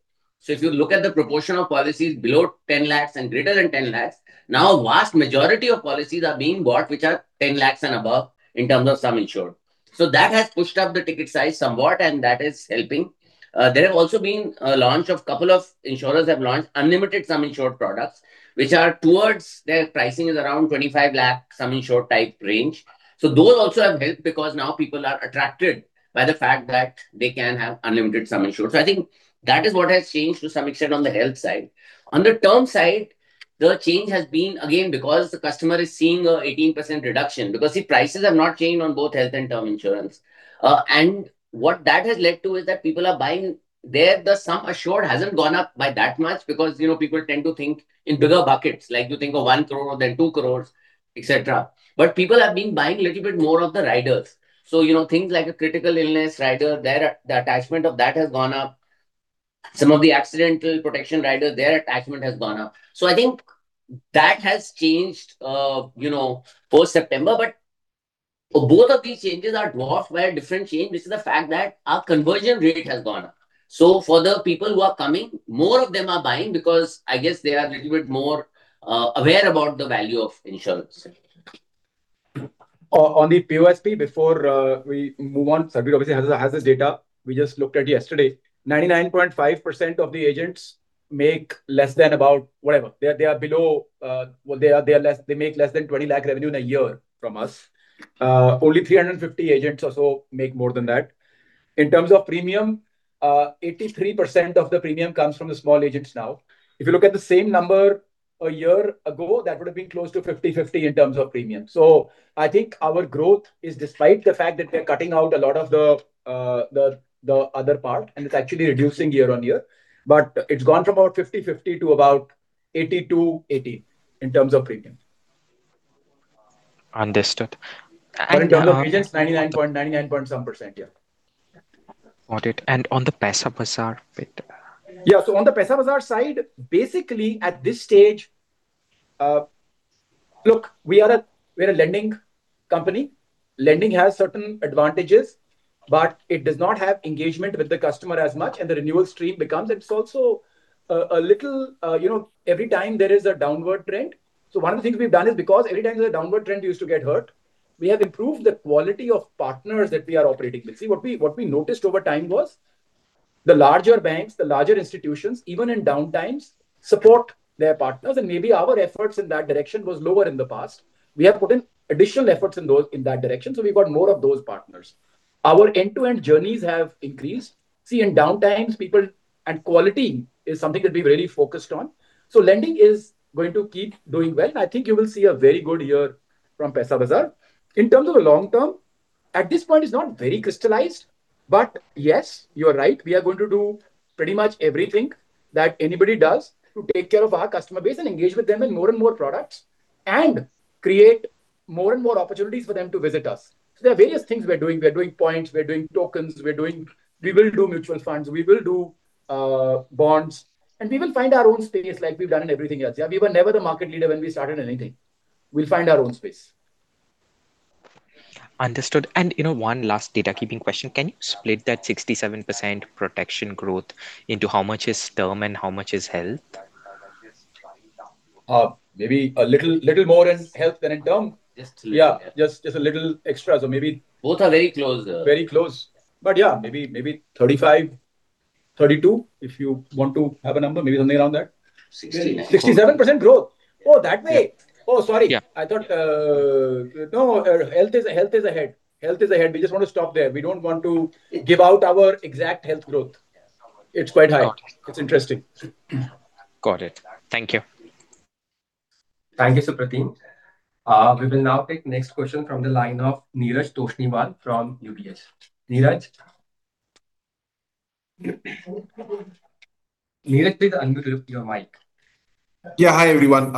If you look at the proportion of policies below 10 lakhs and greater than 10 lakhs, now a vast majority of policies are being bought which are 10 lakhs and above in terms of sum insured. That has pushed up the ticket size somewhat, and that is helping. There have also been couple of insurers have launched unlimited sum insured products, which are towards their pricing is around 25 lakh sum insured type range. Those also have helped because now people are attracted by the fact that they can have unlimited sum insured. On the term side, the change has been, again, because the customer is seeing a 18% reduction, because, see, prices have not changed on both health and term insurance. What that has led to is that people are buying. The sum assured hasn't gone up by that much because, you know, people tend to think in bigger buckets. You think of 1 crore or then 2 crores, et cetera. People have been buying a little bit more of the riders. You know, things like a critical illness rider, there, the attachment of that has gone up. Some of the accidental protection rider, their attachment has gone up. I think that has changed, you know, post-September. Both of these changes are dwarfed by a different change, which is the fact that our conversion rate has gone up. For the people who are coming, more of them are buying because I guess they are a little bit more aware about the value of insurance. On the POSP, before we move on, Sarbvir obviously has this data. We just looked at yesterday. 99.5% of the agents make less than about whatever. They are below, well, they make less than 20 lakh revenue in a year from us. Only 350 agents or so make more than that. In terms of premium, 83% of the premium comes from the small agents now. If you look at the same number a year ago, that would have been close to 50-50 in terms of premium. I think our growth is despite the fact that we're cutting out a lot of the other part, and it's actually reducing year-on-year. It's gone from about 50-50 to about 80-80 in terms of premium. Understood. In terms of agents, 99 point some %, yeah. Got it. On the Paisabazaar bit. Yeah. On the Paisabazaar side, basically at this stage, look, we're a lending company. Lending has certain advantages, but it does not have engagement with the customer as much, and it's also a little, you know, every time there is a downward trend. One of the things we've done is because every time there's a downward trend, we used to get hurt. We have improved the quality of partners that we are operating with. See, what we noticed over time was the larger banks, the larger institutions, even in down times, support their partners, and maybe our efforts in that direction was lower in the past. We have put in additional efforts in that direction, we've got more of those partners. Our end-to-end journeys have increased. In down times, and quality is something that we're really focused on. Lending is going to keep doing well. I think you will see a very good year from Paisabazaar. In terms of the long term, at this point it's not very crystallized, yes, you are right. We are going to do pretty much everything that anybody does to take care of our customer base and engage with them in more and more products and create more and more opportunities for them to visit us. There are various things we are doing. We're doing points, we're doing tokens, we will do mutual funds, we will do bonds, and we will find our own space like we've done in everything else. Yeah, we were never the market leader when we started anything. We'll find our own space. Understood. You know, one last data keeping question. Can you split that 67% protection growth into how much is term and how much is health? Maybe a little more in health than in term. Just little, yeah. Yeah, just a little extra. Both are very close. Very close. Yeah, maybe 35, 32, if you want to have a number. Maybe something around that. 69. 67% growth. Oh, that way. Yeah. Oh, sorry. Yeah. I thought, no, health is ahead. Health is ahead. We just want to stop there. We don't want to give out our exact health growth. It's quite high. Got it. It's interesting. Got it. Thank you. Thank you, Supratim. We will now take next question from the line of Neeraj Toshniwal from UBS. Neeraj? Neeraj, please un-mute your mic. Yeah. Hi, everyone.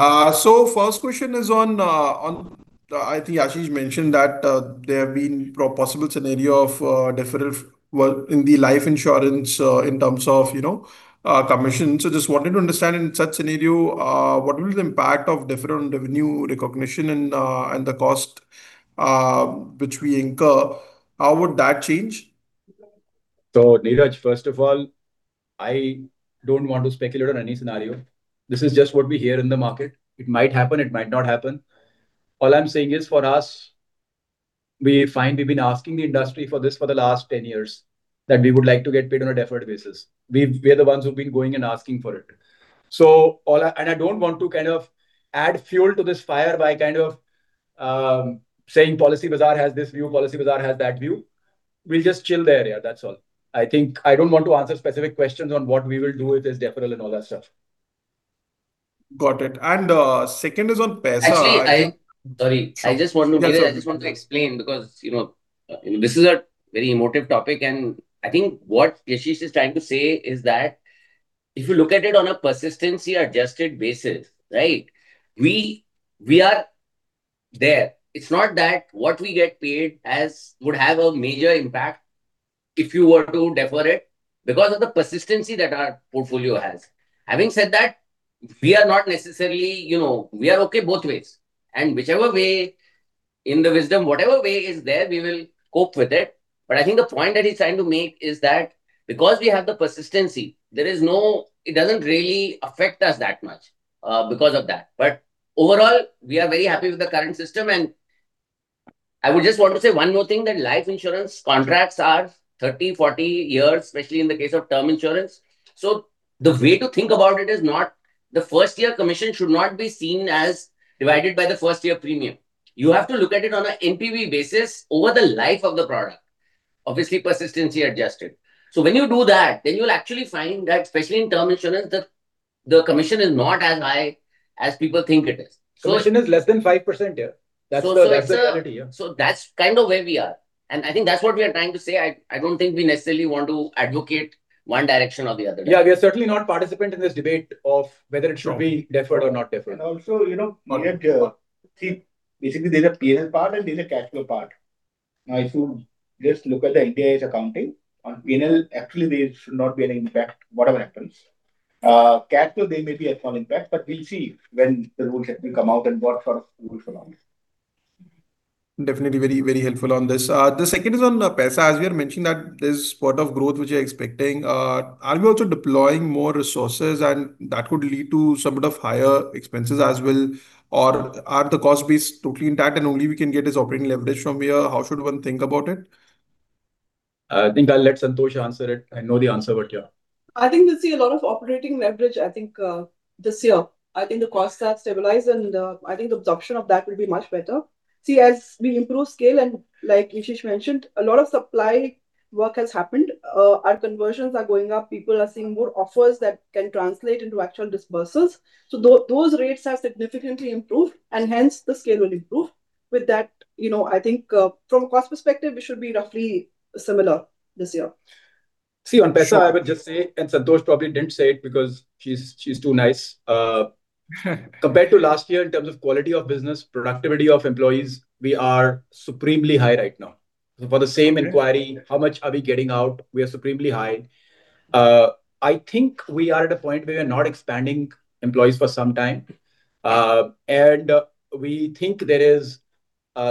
First question is on, I think Yashish mentioned that there have been possible scenario of deferral, well, in the life insurance, in terms of, you know, commission. Just wanted to understand in such scenario, what will the impact of deferral revenue recognition and the cost which we incur, how would that change? Neeraj, first of all, I don't want to speculate on any scenario. This is just what we hear in the market. It might happen, it might not happen. All I'm saying is for us, we find we've been asking the industry for this for the last 10 years, that we would like to get paid on a deferred basis. We are the ones who've been going and asking for it. I don't want to kind of add fuel to this fire by kind of saying Policybazaar has this view, Policybazaar has that view. We'll just chill there, yeah, that's all. I think I don't want to answer specific questions on what we will do with this deferral and all that stuff. Got it. second is on Paisabazaar. Actually. Sorry. I just want to- No, go ahead. Neeraj, I just want to explain because, you know, this is a very emotive topic, and I think what Yashish is trying to say is that if you look at it on a persistency adjusted basis, right? We are there. It's not that what we get paid as would have a major impact if you were to defer it because of the persistency that our portfolio has. Having said that, we are not necessarily, you know, we are okay both ways. Whichever way, in the wisdom, whatever way is there, we will cope with it. I think the point that he's trying to make is that because we have the persistency, it doesn't really affect us that much because of that. Overall, we are very happy with the current system. I would just want to say one more thing, that life insurance contracts are 30, 40 years, especially in the case of term insurance. The way to think about it is not, the first year commission should not be seen as divided by the first year premium. You have to look at it on a NPV basis over the life of the product, obviously persistency adjusted. When you do that, then you'll actually find that especially in term insurance, the commission is not as high as people think it is. Commission is less than 5%, yeah. So, so it's a- That's the quality, yeah. That's kind of where we are. I think that's what we are trying to say. I don't think we necessarily want to advocate one direction or the other direction. Yeah. We are certainly not participant in this debate of whether it should be deferred or not deferred. Also, you know, we have, see, basically there's a P&L part and there's a cash flow part. If you just look at the Ind AS accounting on P&L, actually there should not be any impact whatever happens. Cash flow, there may be a small impact, but we'll see when the rules actually come out and what sort of rules will come. Definitely very, very helpful on this. The second is on Paisabazaar. As we are mentioning that there's sort of growth which you're expecting, are we also deploying more resources and that could lead to somewhat of higher expenses as well? Are the cost base totally intact and only we can get is operating leverage from here? How should one think about it? I think I'll let Santosh answer it. I know the answer, but yeah. I think we'll see a lot of operating leverage this year. I think the costs are stabilized, I think the absorption of that will be much better. See, as we improve scale, and like Yashish mentioned, a lot of supply work has happened. Our conversions are going up. People are seeing more offers that can translate into actual disbursements. Those rates have significantly improved, and hence the scale will improve. With that, you know, I think from a cost perspective, we should be roughly similar this year. See, on Paisabazaar, I would just say, and Santosh probably didn't say it because she's too nice. Compared to last year in terms of quality of business, productivity of employees, we are supremely high right now. For the same inquiry, how much are we getting out? We are supremely high. I think we are at a point where we're not expanding employees for some time. We think there is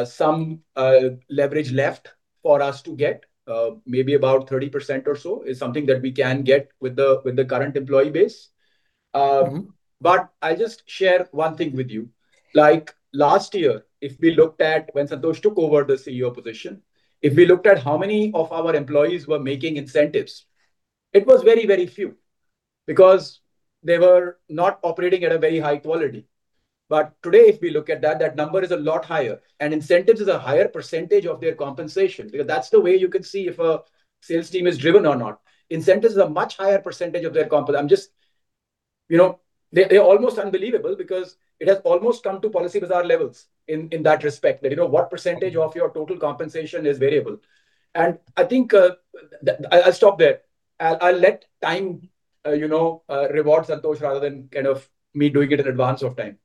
some leverage left for us to get, maybe about 30% or so is something that we can get with the current employee base. I'll just share one thing with you. Like last year, if we looked at when Santosh took over the CEO position, if we looked at how many of our employees were making incentives, it was very, very few, because they were not operating at a very high quality. Today, if we look at that number is a lot higher, and incentives is a higher percentage of their compensation, because that's the way you can see if a sales team is driven or not. Incentives is a much higher percentage of their comp. You know, they're almost unbelievable because it has almost come to Policybazaar levels in that respect. You know, what percentage of your total compensation is variable. I think I'll stop there. I'll let time, you know, reward Santosh rather than kind of me doing it in advance of time.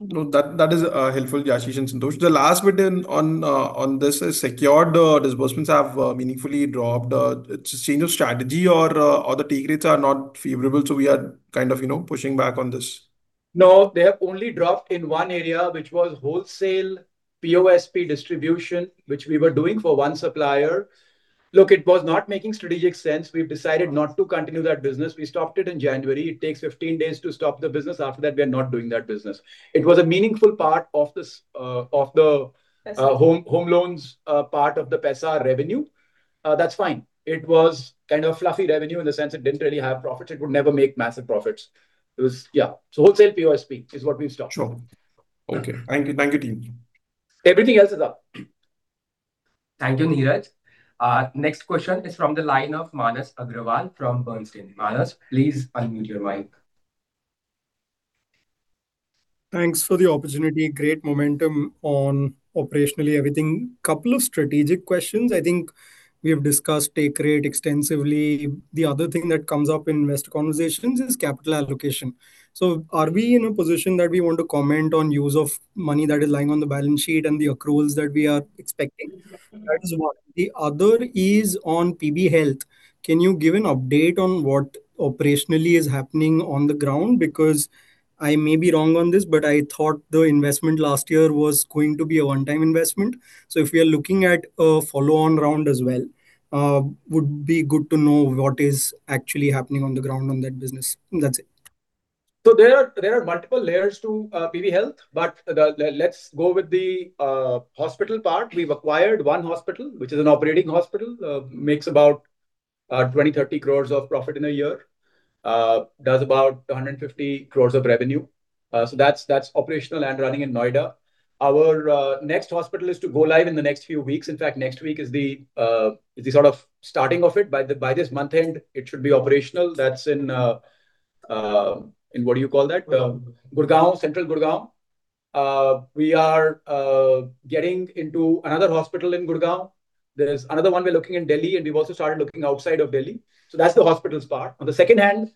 No, that is helpful, Yashish Dahiya and Santosh Agarwal. The last bit in, on this is secured disbursements have meaningfully dropped. It's a change of strategy or the take rates are not favorable, so we are kind of, you know, pushing back on this. No. They have only dropped in one area, which was wholesale POSP distribution, which we were doing for one supplier. Look, it was not making strategic sense. We've decided not to continue that business. We stopped it in January. It takes 15 days to stop the business. After that, we are not doing that business. It was a meaningful part of this, of the. Paisa home loans, part of the Paisa revenue. That's fine. It was kind of fluffy revenue in the sense it didn't really have profits. It would never make massive profits. It was Yeah. wholesale POSP is what we've stopped. Sure. Okay. Thank you. Thank you, team. Everything else is up. Thank you, Neeraj. Next question is from the line of Manas Agrawal from Bernstein. Manas, please unmute your mic. Thanks for the opportunity. Great momentum on operationally everything. Couple of strategic questions. I think we have discussed take rate extensively. The other thing that comes up in investor conversations is capital allocation. Are we in a position that we want to comment on use of money that is lying on the balance sheet and the accruals that we are expecting? That is one. The other is on PB Health. Can you give an update on what operationally is happening on the ground? Because I may be wrong on this, but I thought the investment last year was going to be a one-time investment. If we are looking at a follow-on round as well, would be good to know what is actually happening on the ground on that business. That's it. There are multiple layers to PB Health, but let's go with the hospital part. We've acquired one hospital, which is an operating hospital. Makes about 20-30 crores of profit in a year. Does about 150 crores of revenue. That's operational and running in Noida. Our next hospital is to go live in the next few weeks. In fact, next week is the sort of starting of it. By this month end, it should be operational. That's in what do you call that? Gurgaon Gurgaon. Central Gurgaon. We are getting into another hospital in Gurgaon. There's another one we're looking in Delhi, and we've also started looking outside of Delhi. That's the hospitals part. On the second hand,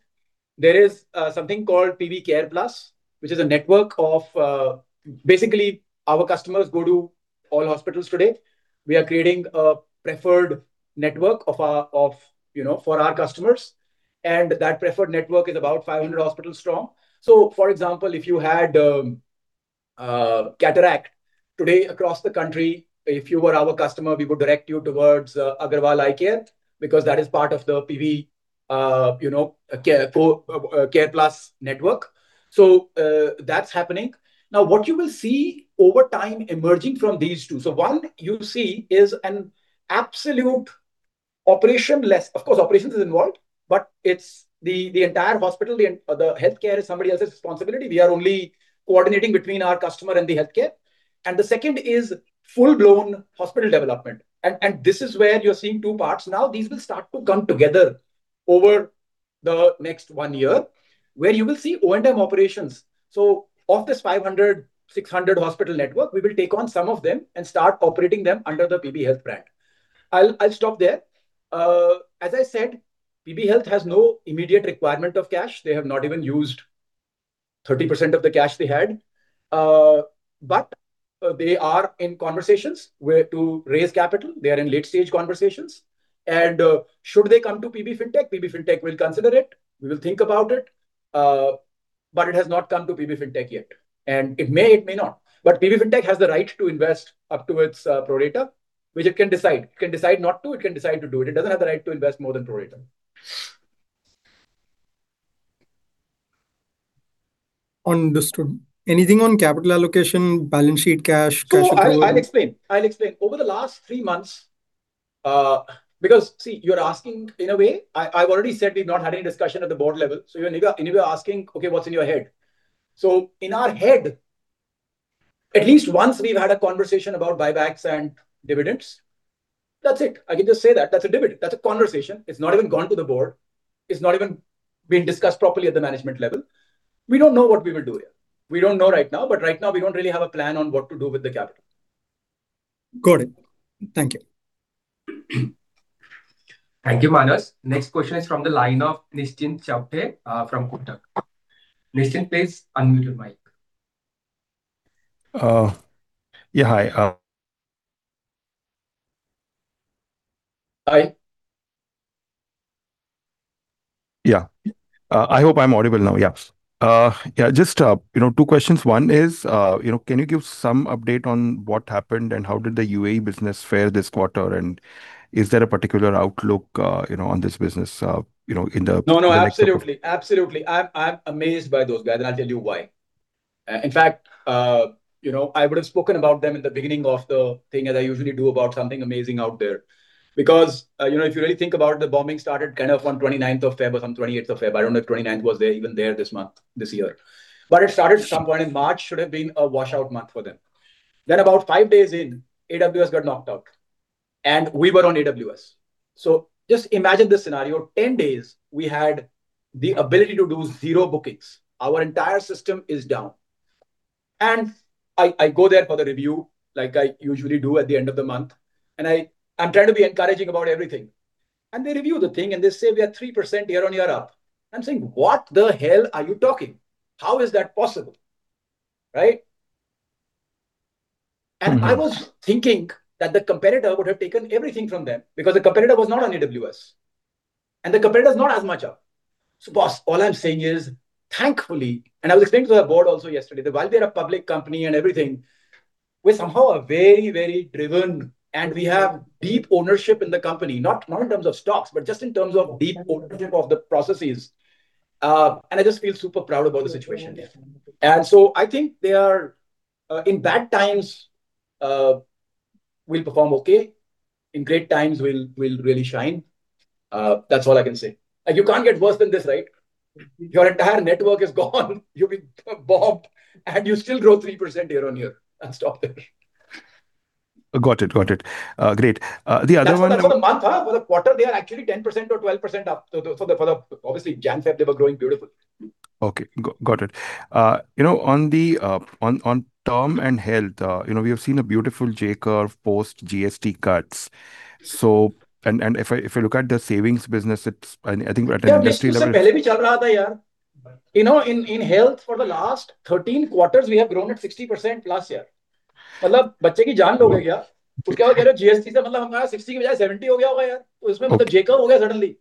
there is something called PB Care Plus, which is a network of. Basically, our customers go to all hospitals today. We are creating a preferred network of our, you know, for our customers, and that preferred network is about 500 hospitals strong. For example, if you had cataract, today across the country, if you were our customer, we would direct you towards Agarwal Eye Care because that is part of the PB, you know, care plus network. That's happening. Now, what you will see over time emerging from these two. One you see is an absolute operation-less. Operations is involved, but it's the entire hospital, the healthcare is somebody else's responsibility. We are only coordinating between our customer and the healthcare. The second is full-blown hospital development. This is where you're seeing two parts. These will start to come together over the next one year, where you will see O&M operations. Of this 500, 600 hospital network, we will take on some of them and start operating them under the PB Health brand. I'll stop there. As I said, PB Health has no immediate requirement of cash. They have not even used 30% of the cash they had. They are in conversations where to raise capital. They are in late-stage conversations. Should they come to PB Fintech, PB Fintech will consider it. We will think about it. It has not come to PB Fintech yet, and it may not. PB Fintech has the right to invest up to its pro rata, which it can decide. It can decide not to, it can decide to do it. It doesn't have the right to invest more than pro rata. Understood. Anything on capital allocation, balance sheet cash accrual? I'll explain. I'll explain. Over the last three months, because, see, you're asking, in a way, I've already said we've not had any discussion at the board level. You're asking, "Okay, what's in your head?" In our head, at least once we've had a conversation about buybacks and dividends. That's it. I can just say that. That's a dividend. That's a conversation. It's not even gone to the board. It's not even been discussed properly at the management level. We don't know what we will do yet. We don't know right now, but right now we don't really have a plan on what to do with the capital. Got it. Thank you. Thank you, Manas. Next question is from the line of Nischint Chawathe, from Kotak. Nischint, please unmute your mic. Yeah, hi. Hi. Yeah. I hope I'm audible now. Yeah. Yeah, just, you know, two questions. One is, you know, can you give some update on what happened and how did the UAE business fare this quarter? Is there a particular outlook, you know, on this business, you know? No, no, absolutely. Absolutely. I'm amazed by those guys. I'll tell you why. In fact, you know, I would've spoken about them in the beginning of the thing, as I usually do, about something amazing out there. You know, if you really think about the bombing started kind of on Feb 29th or some Feb28th. I don't know if 29th was there, even there this month, this year. It started some point in March. Should have been a washout month for them. About five days in, AWS got knocked out. We were on AWS. Just imagine this scenario. 10 days, we had the ability to do zero bookings. Our entire system is down. I go there for the review, like I usually do at the end of the month, I'm trying to be encouraging about everything. They review the thing, they say, "We are 3% year-over-year up." I'm saying, "What the hell are you talking? How is that possible?" Right? I was thinking that the competitor would have taken everything from them, because the competitor was not on AWS. The competitor's not as much up. Boss, all I'm saying is, thankfully, and I was explaining to the board also yesterday that while we're a public company and everything, we somehow are very, very driven and we have deep ownership in the company. Not in terms of stocks, but just in terms of deep ownership of the processes. I just feel super proud about the situation. Yeah. I think they are in bad times, we'll perform okay. In great times, we'll really shine. That's all I can say. You can't get worse than this, right? Your entire network is gone, you've been bombed, and you still grow 3% year-on-year. That's top then. Got it. Great. The other one. That's for the month, huh? For the quarter, they are actually 10% or 12% up. For the obviously, Jan, Feb, they were growing beautiful. Okay. Got it. You know, on the term and health, you know, we have seen a beautiful J curve post GST cuts. And if I look at the savings business, it's, I think we're at an industry level. GST was also going on before that, man. You know, in health, for the last 13 quarters, we have grown at 60% last year. I mean, people's lives are at stake. After that, you're saying with GST, I mean, instead of 60, it might have become 70,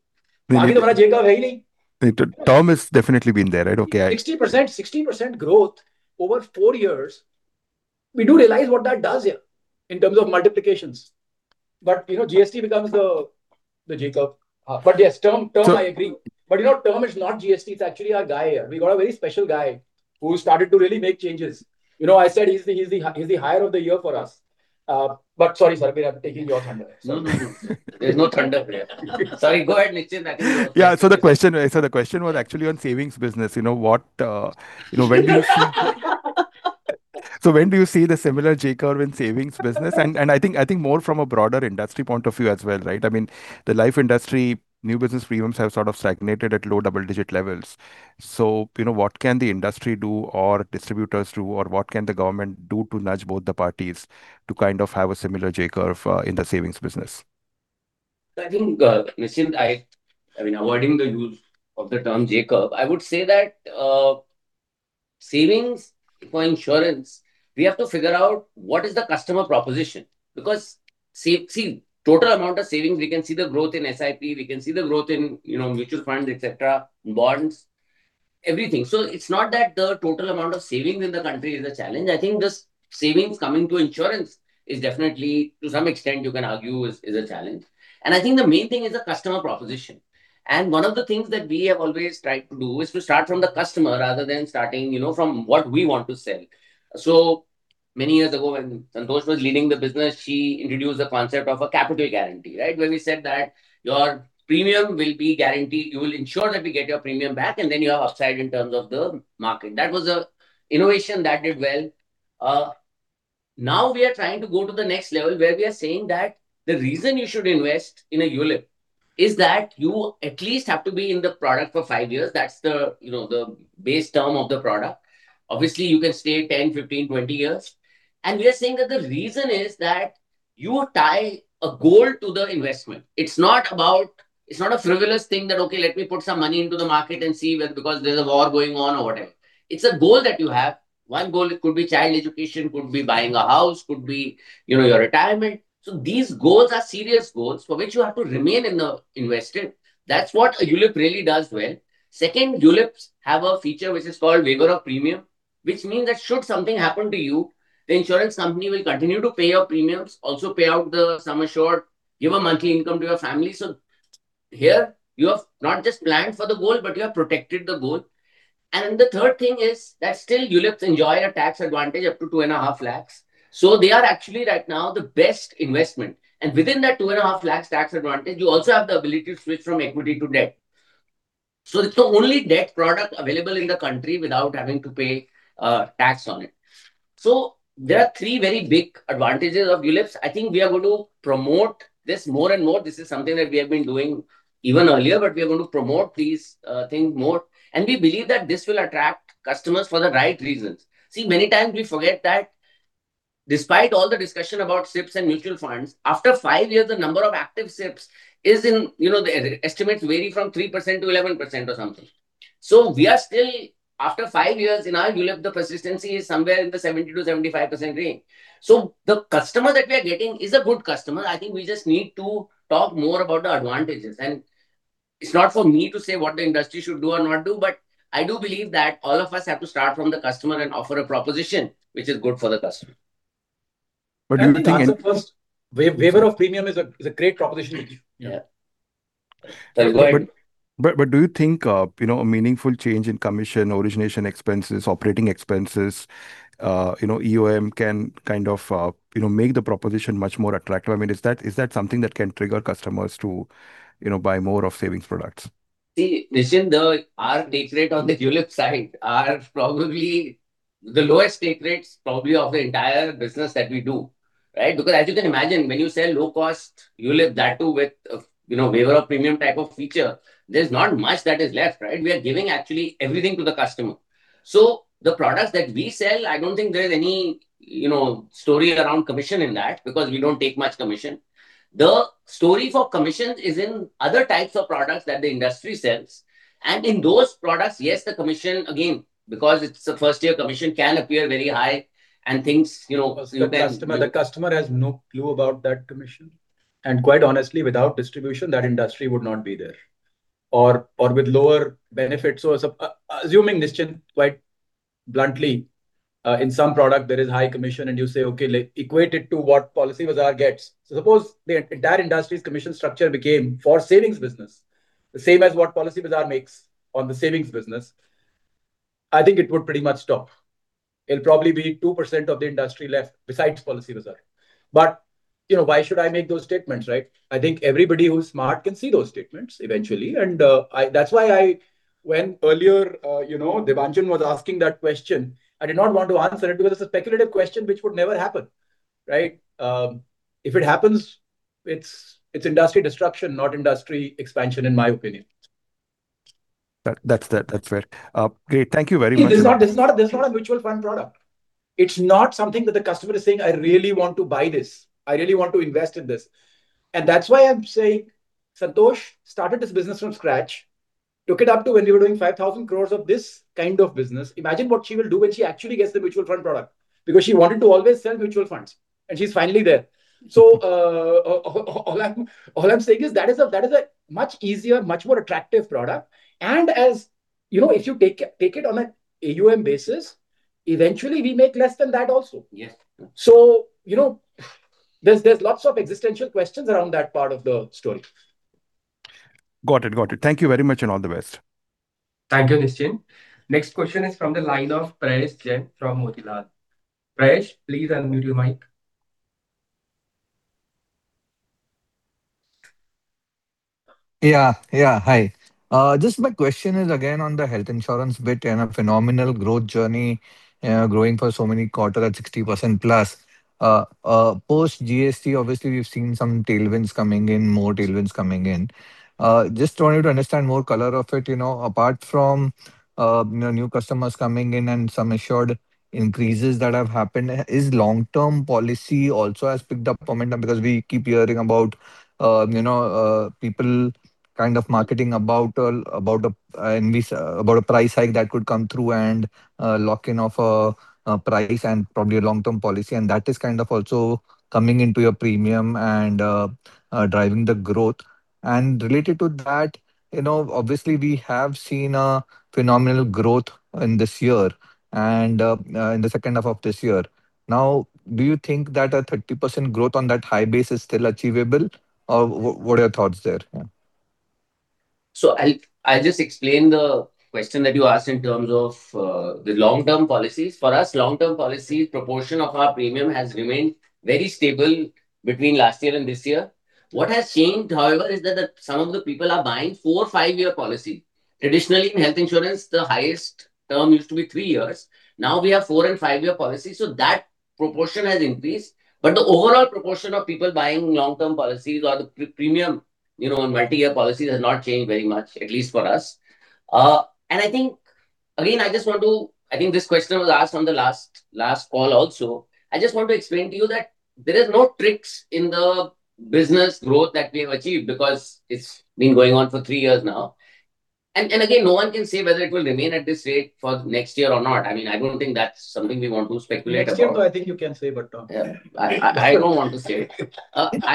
man. In that, I mean, the J curve happened suddenly. Before that, there was no J curve. The term has definitely been there, right? Okay. 60%, 16% growth over four years. We do realize what that does, in terms of multiplications. You know, GST becomes the J curve. Yes, term, I agree. You know, term is not GST. It's actually our guy. We got a very special guy who started to really make changes. You know, I said he's the, he's the hire of the year for us. Sorry, Sarbvir, I'm taking your thunder. No, no. There's no thunder here. Sorry, go ahead, Nischint. I think you have something. Yeah. The question was actually on savings business. You know, what, you know, when do you see the similar J curve in savings business? I think more from a broader industry point of view as well, right? I mean, the life industry, new business premiums have sort of stagnated at low double-digit levels. You know, what can the industry do or distributors do, or what can the government do to nudge both the parties to kind of have a similar J curve in the savings business? I think, Nischint, I mean, avoiding the use of the term J curve, I would say that savings for insurance, we have to figure out what is the customer proposition. See, total amount of savings, we can see the growth in SIP, we can see the growth in, you know, mutual funds, et cetera, bonds, everything. It's not that the total amount of savings in the country is a challenge. I think just savings coming to insurance is definitely, to some extent you can argue, is a challenge. I think the main thing is the customer proposition. One of the things that we have always tried to do is to start from the customer rather than starting, you know, from what we want to sell. Many years ago, when Santosh was leading the business, she introduced the concept of a capital guarantee, right? Where we said that your premium will be guaranteed. You will ensure that we get your premium back, and then you have upside in terms of the market. That was a innovation that did well. Now we are trying to go to the next level, where we are saying that the reason you should invest in a ULIP is that you at least have to be in the product for five years. That's the, you know, the base term of the product. Obviously, you can stay 10, 15, 20 years. We are saying that the reason is that you tie a goal to the investment. It's not a frivolous thing that, okay, let me put some money into the market and see whether, because there's a war going on or whatever. It's a goal that you have. one goal, it could be child education, could be buying a house, could be, you know, your retirement. These goals are serious goals for which you have to remain in the invested. That's what a ULIP really does well. Second, ULIPs have a feature which is called waiver of premium, which means that should something happen to you, the insurance company will continue to pay your premiums, also pay out the sum assured, give a monthly income to your family. Here you have not just planned for the goal, but you have protected the goal. The third thing is that still ULIPs enjoy a tax advantage up to two and a half lakhs. They are actually right now the best investment. Within that two and a half lakhs tax advantage, you also have the ability to switch from equity to debt. It's the only debt product available in the country without having to pay tax on it. There are three very big advantages of ULIPs. I think we are going to promote this more and more. This is something that we have been doing even earlier, but we are going to promote these things more. We believe that this will attract customers for the right reasons. Many times we forget that despite all the discussion about SIPs and mutual funds, after five years, the number of active SIPs is in, you know, the estimates vary from 3%-11% or something. We are still, after five years, in our ULIP, the persistency is somewhere in the 70%-75% range. The customer that we are getting is a good customer. I think we just need to talk more about the advantages. It's not for me to say what the industry should do or not do, but I do believe that all of us have to start from the customer and offer a proposition which is good for the customer. But do you think- Can I answer first? Waiver of premium is a great proposition to give. Yeah. Sorry, go ahead. Do you think, you know, a meaningful change in commission, origination expenses, operating expenses, you know, EOM can kind of, you know, make the proposition much more attractive? I mean, is that something that can trigger customers to, you know, buy more of savings products? See, Nischint, the, our take rate on the ULIP side are probably the lowest take rates probably of the entire business that we do, right? Because as you can imagine, when you sell low cost ULIP, that too with, you know, waiver of premium type of feature, there's not much that is left, right? We are giving actually everything to the customer. The products that we sell, I don't think there's any, you know, story around commission in that because we don't take much commission. The story for commissions is in other types of products that the industry sells. In those products, yes, the commission, again, because it's the first year, commission can appear very high and things, you know. The customer has no clue about that commission. Quite honestly, without distribution, that industry would not be there. With lower benefits. As assuming, Nischint, quite bluntly, in some product there is high commission and you say, "Okay, like equate it to what Policybazaar gets." Suppose the entire industry's commission structure became, for savings business, the same as what Policybazaar makes on the savings business, I think it would pretty much stop. It'll probably be 2% of the industry left besides Policybazaar. You know, why should I make those statements, right? I think everybody who's smart can see those statements eventually, and that's why I when earlier, you know, Dipanjan was asking that question, I did not want to answer it because it's a speculative question which would never happen, right? If it happens, it's industry disruption, not industry expansion in my opinion. That's that. That's fair. Great. Thank you very much. See, this is not a mutual fund product. It's not something that the customer is saying, "I really want to buy this. I really want to invest in this." That's why I'm saying Santosh started this business from scratch, took it up to when we were doing 5,000 crores of this kind of business. Imagine what she will do when she actually gets the mutual fund product, because she wanted to always sell mutual funds, and she's finally there. All I'm, all I'm saying is that is a, that is a much easier, much more attractive product. As, you know, if you take it, take it on a AUM basis, eventually we make less than that also. Yes. you know, there's lots of existential questions around that part of the story. Got it. Thank you very much, and all the best. Thank you, Nischint. Next question is from the line of Paresh Jain from Motilal. Paresh, please unmute your mic. Yeah. Yeah, hi. Just my question is again on the health insurance bit and a phenomenal growth journey, growing for so many quarters at 60% plus. Post GST, obviously we've seen some tailwinds coming in, more tailwinds coming in. Just wanted to understand more color of it, you know, apart from, you know, new customers coming in and some assured increases that have happened. Is long-term policy also has picked up momentum? We keep hearing about, you know, people kind of marketing about a price hike that could come through and lock in of a price and probably a long-term policy, and that is kind of also coming into your premium and driving the growth. Related to that, you know, obviously we have seen a phenomenal growth in this year and, in the second half of this year. Do you think that a 30% growth on that high base is still achievable? What are your thoughts there? Yeah. I'll just explain the question that you asked in terms of the long-term policies. For us, long-term policy proportion of our premium has remained very stable between last year and this year. What has changed, however, is that some of the people are buying four, five-year policy. Traditionally, in health insurance, the highest term used to be three years. Now, we have four and five-year policy, so that proportion has increased. The overall proportion of people buying long-term policies or the premium, you know, on multi-year policies has not changed very much, at least for us. I think, again, I think this question was asked on the last call also. I just want to explain to you that there is no tricks in the business growth that we have achieved, because it's been going on for three years now. Again, no one can say whether it will remain at this rate for next year or not. I mean, I don't think that's something we want to speculate about. Next year though I think you can say, but. Yeah. I don't want to say.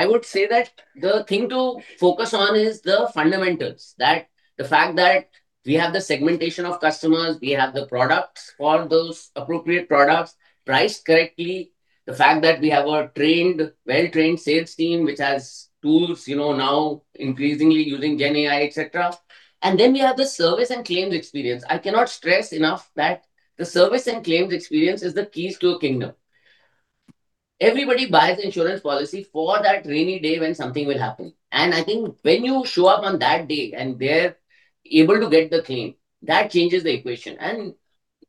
I would say that the thing to focus on is the fundamentals, that the fact that we have the segmentation of customers, we have the products for those appropriate products priced correctly. The fact that we have our trained, well-trained sales team, which has tools, you know, now increasingly using Generative AI, et cetera. Then we have the service and claims experience. I cannot stress enough that the service and claims experience is the keys to a kingdom. Everybody buys insurance policy for that rainy day when something will happen. I think when you show up on that day and they're able to get the claim, that changes the equation.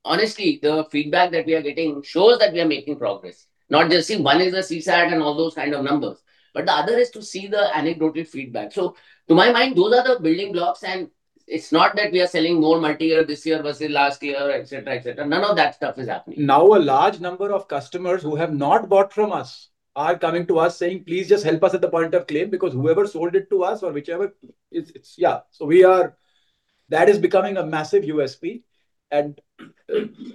Honestly, the feedback that we are getting shows that we are making progress. Not just, see, one is the CSAT and all those kind of numbers, but the other is to see the anecdotal feedback. To my mind, those are the building blocks, and it's not that we are selling more multi-year this year versus last year, et cetera, et cetera. None of that stuff is happening. A large number of customers who have not bought from us are coming to us saying, "Please just help us at the point of claim," because whoever sold it to us or whichever it's. Yeah. That is becoming a massive USP, and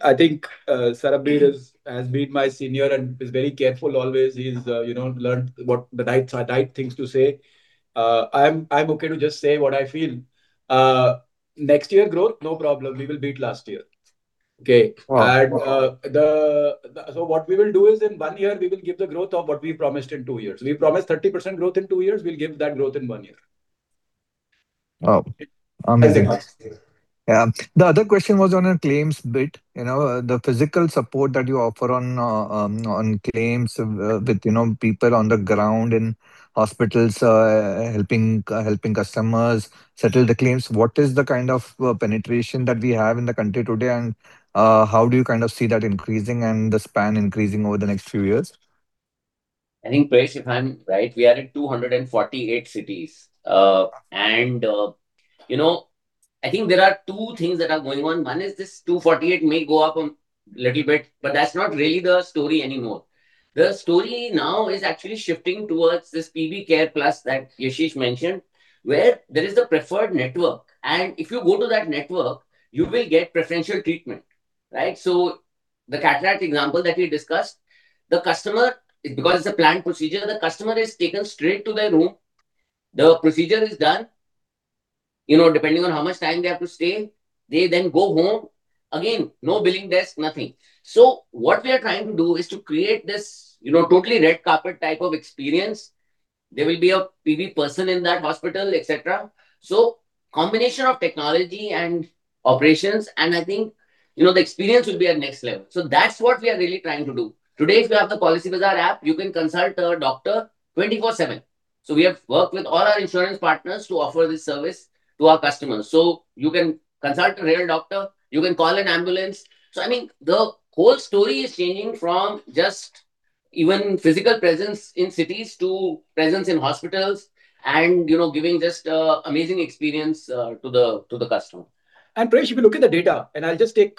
I think, Sarbvir is, has been my senior and is very careful always. He's, you know, learned what the right things to say. I'm okay to just say what I feel. Next year growth, no problem. We will beat last year. Okay. Wow. What we will do is in one year, we will give the growth of what we promised in two years. We promised 30% growth in two years, we will give that growth in one year. Wow. Amazing. As much as we can. Yeah. The other question was on a claims bit, you know, the physical support that you offer on claims, with, you know, people on the ground in hospitals, helping customers settle the claims. What is the kind of penetration that we have in the country today? How do you kind of see that increasing and the span increasing over the next few years? I think, Paresh, if I'm right, we are at 248 cities. You know, I think there are two things that are going on. 1 is this 248 may go up a little bit, but that's not really the story anymore. The story now is actually shifting towards this PB Care Plus that Yashish mentioned, where there is a preferred network. If you go to that network, you will get preferential treatment, right? The cataract example that we discussed, the customer, because it's a planned procedure, the customer is taken straight to their room. The procedure is done. You know, depending on how much time they have to stay, they then go home. Again, no billing desk, nothing. What we are trying to do is to create this, you know, totally red carpet type of experience. There will be a PB person in that hospital, et cetera. Combination of technology and operations, and I think, you know, the experience will be at next level. That's what we are really trying to do. Today if you have the Policybazaar app, you can consult a doctor 24/7. We have worked with all our insurance partners to offer this service to our customers. You can consult a real doctor, you can call an ambulance. I mean, the whole story is changing from just even physical presence in cities to presence in hospitals and, you know, giving just an amazing experience to the customer. Paresh Jain, if you look at the data, I'll just take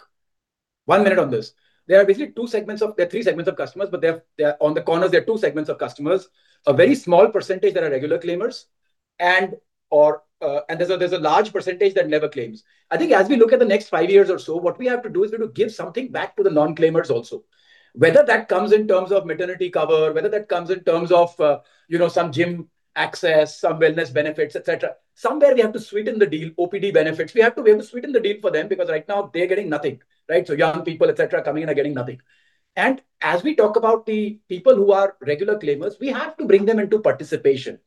one minute on this. There are three segments of customers, but they're on the corners. There are two segments of customers. A very small percentage that are regular claimers and/or, and there's a large percentage that never claims. I think as we look at the next five years or so, what we have to do is we have to give something back to the non-claimers also. Whether that comes in terms of maternity cover, whether that comes in terms of, you know, some gym access, some wellness benefits, et cetera. Somewhere, we have to sweeten the deal, OPD benefits. We have to sweeten the deal for them because right now they're getting nothing, right? Young people, et cetera, coming in are getting nothing. As we talk about the people who are regular claimers, we have to bring them into participation.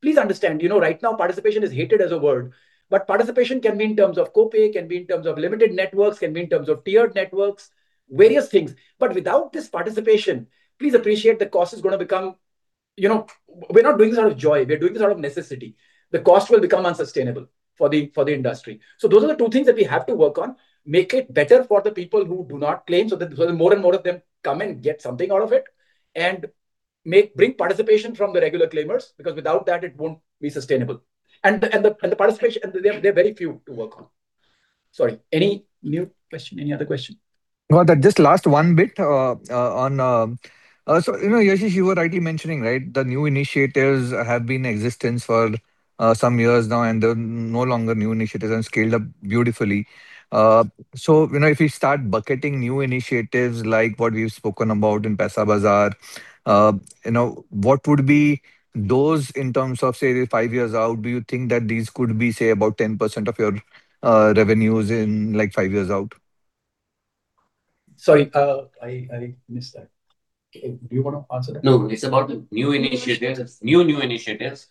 Please understand, you know, right now, participation is hated as a word, but participation can be in terms of copay, can be in terms of limited networks, can be in terms of tiered networks, various things. Without this participation, please appreciate the cost is gonna become, you know, we're not doing this out of joy. We are doing this out of necessity. The cost will become unsustainable for the industry. Those are the two things that we have to work on. Make it better for the people who do not claim so that more and more of them come and get something out of it, and bring participation from the regular claimers, because without that it won't be sustainable. The participation, and they're very few to work on. Sorry. Any new question? Any other question? No, that just last one bit, you know, Yashish, you were rightly mentioning, right, the new initiatives have been in existence for some years now, and they're no longer new initiatives and scaled up beautifully. You know, if we start bucketing new initiatives like what we've spoken about in Paisabazaar, you know, what would be those in terms of, say, five years out? Do you think that these could be, say, about 10% of your revenues in, like, five years out? Sorry, I missed that. Do you wanna answer that? No, it's about the new initiatives. New initiatives.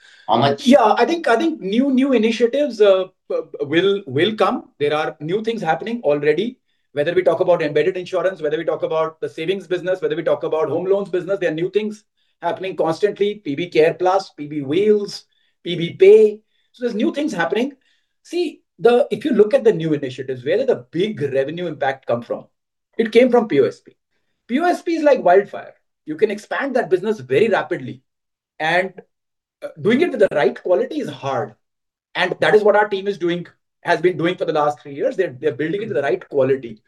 Yeah, I think new initiatives will come. There are new things happening already, whether we talk about embedded insurance, whether we talk about the savings business, whether we talk about home loans business. There are new things happening constantly. PB Care Plus, PB Wheels, PB Pay. There's new things happening. See, if you look at the new initiatives, where did the big revenue impact come from? It came from POSP. POSP is like wildfire. You can expand that business very rapidly, and doing it with the right quality is hard. That is what our team has been doing for the last three years. They're building it to the right quality.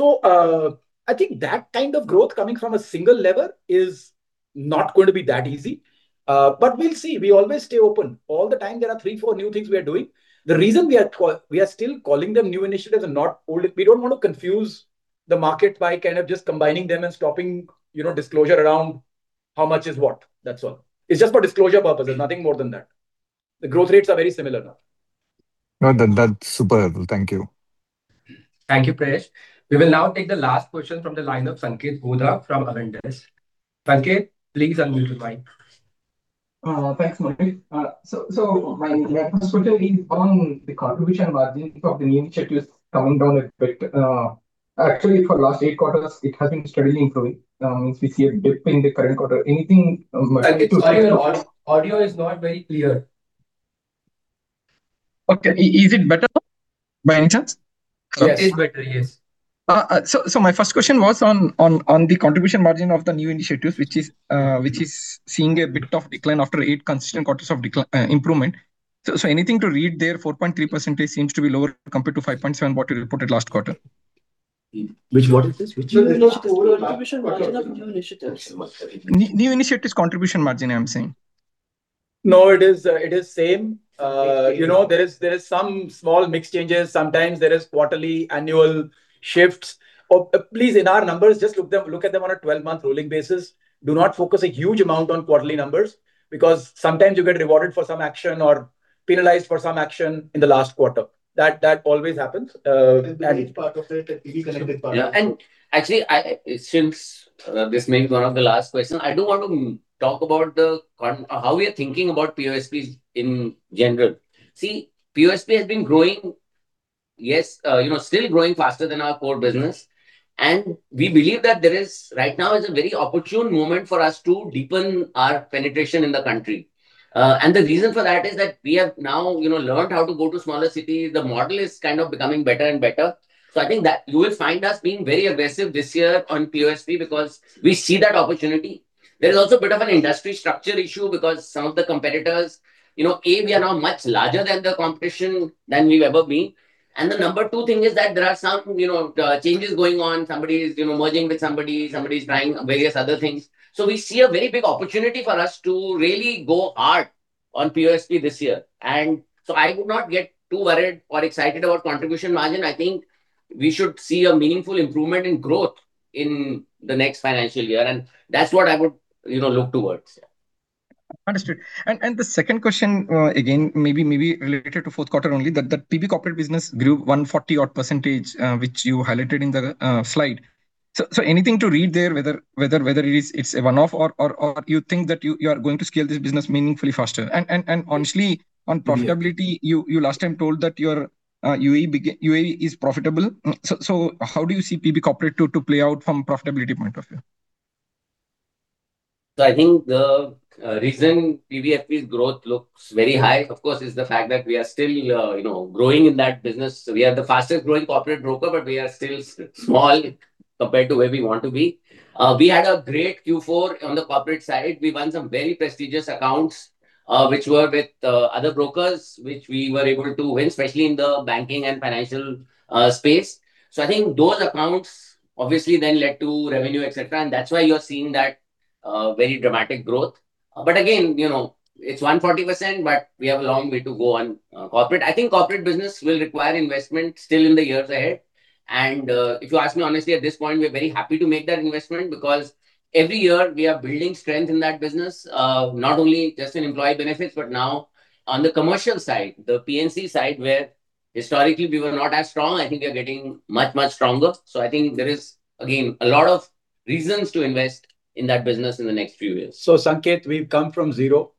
I think that kind of growth coming from a single lever is not going to be that easy. We'll see. We always stay open. All the time, there are three, four new things we are doing. The reason we are still calling them new initiatives and not old, we don't want to confuse the market by kind of just combining them and stopping, you know, disclosure around how much is what. That's all. It's just for disclosure purposes, nothing more than that. The growth rates are very similar now. No, that's super helpful. Thank you. Thank you, Paresh. We will now take the last question from the line of Sanketh Godha from Avendus. Sanketh, please unmute your mic. Thanks, Manish. My first question is on the contribution margin of the new initiatives coming down a bit. Actually, for last eight quarters, it has been steadily improving. We see a dip in the current quarter. Sanketh, sorry, your audio is not very clear. Okay. Is it better now by any chance? Yes. It is better, yes. My first question was on the contribution margin of the new initiatives, which is seeing a bit of decline after eight consistent quarters of improvement. Anything to read there? 4.3% seems to be lower compared to 5.7%, what you reported last quarter. what is this? No, it's the contribution margin of new initiatives. New initiatives' contribution margin, I'm saying. No, it is, it is same. You know, there is some small mix changes. Sometimes there are quarterly annual shifts. Please, in our numbers, just look at them on a 12-month rolling basis. Do not focus a huge amount on quarterly numbers, because sometimes you get rewarded for some action or penalized for some action in the last quarter. That always happens. It's part of it. It is connected part of it. Actually, since this may be one of the last questions, I do want to talk about how we are thinking about POSPs in general. See, POSP has been growing, yes, you know, still growing faster than our core business. We believe that right now is a very opportune moment for us to deepen our penetration in the country. The reason for that is that we have now, you know, learned how to go to smaller cities. The model is kind of becoming better and better. I think that you will find us being very aggressive this year on POSP because we see that opportunity. There is also a bit of an industry structure issue because some of the competitors, you know, A, we are now much larger than the competition than we've ever been. The number two thing is that there are some, you know, changes going on. Somebody is, you know, merging with somebody. Somebody's trying various other things. We see a very big opportunity for us to really go hard on POSP this year. I would not get too worried or excited about contribution margin. We should see a meaningful improvement in growth in the next financial year, and that's what I would, you know, look towards. Yeah. Understood. The second question, again, maybe related to Q4 only, that the PB Corporate business grew 140 odd %, which you highlighted in the slide. Anything to read there whether it's a one-off or you think that you are going to scale this business meaningfully faster? Yeah You last time told that your UAE is profitable. How do you see PB Corporate to play out from profitability point of view? I think the reason PBFB's growth looks very high, of course, is the fact that we are still, you know, growing in that business. We are the fastest growing corporate broker, we are still small compared to where we want to be. We had a great Q4 on the corporate side. We won some very prestigious accounts, which were with other brokers, which we were able to win, especially in the banking and financial space. I think those accounts obviously then led to revenue, et cetera, and that's why you're seeing that very dramatic growth. Again, you know, it's 140%, we have a long way to go on corporate. I think corporate business will require investment still in the years ahead. If you ask me honestly, at this point, we're very happy to make that investment because every year we are building strength in that business. Not only just in employee benefits, but now on the commercial side, the P&C side, where historically we were not as strong, I think we are getting much, much stronger. I think there is, again, a lot of reasons to invest in that business in the next few years. Sanketh, we've come from 0,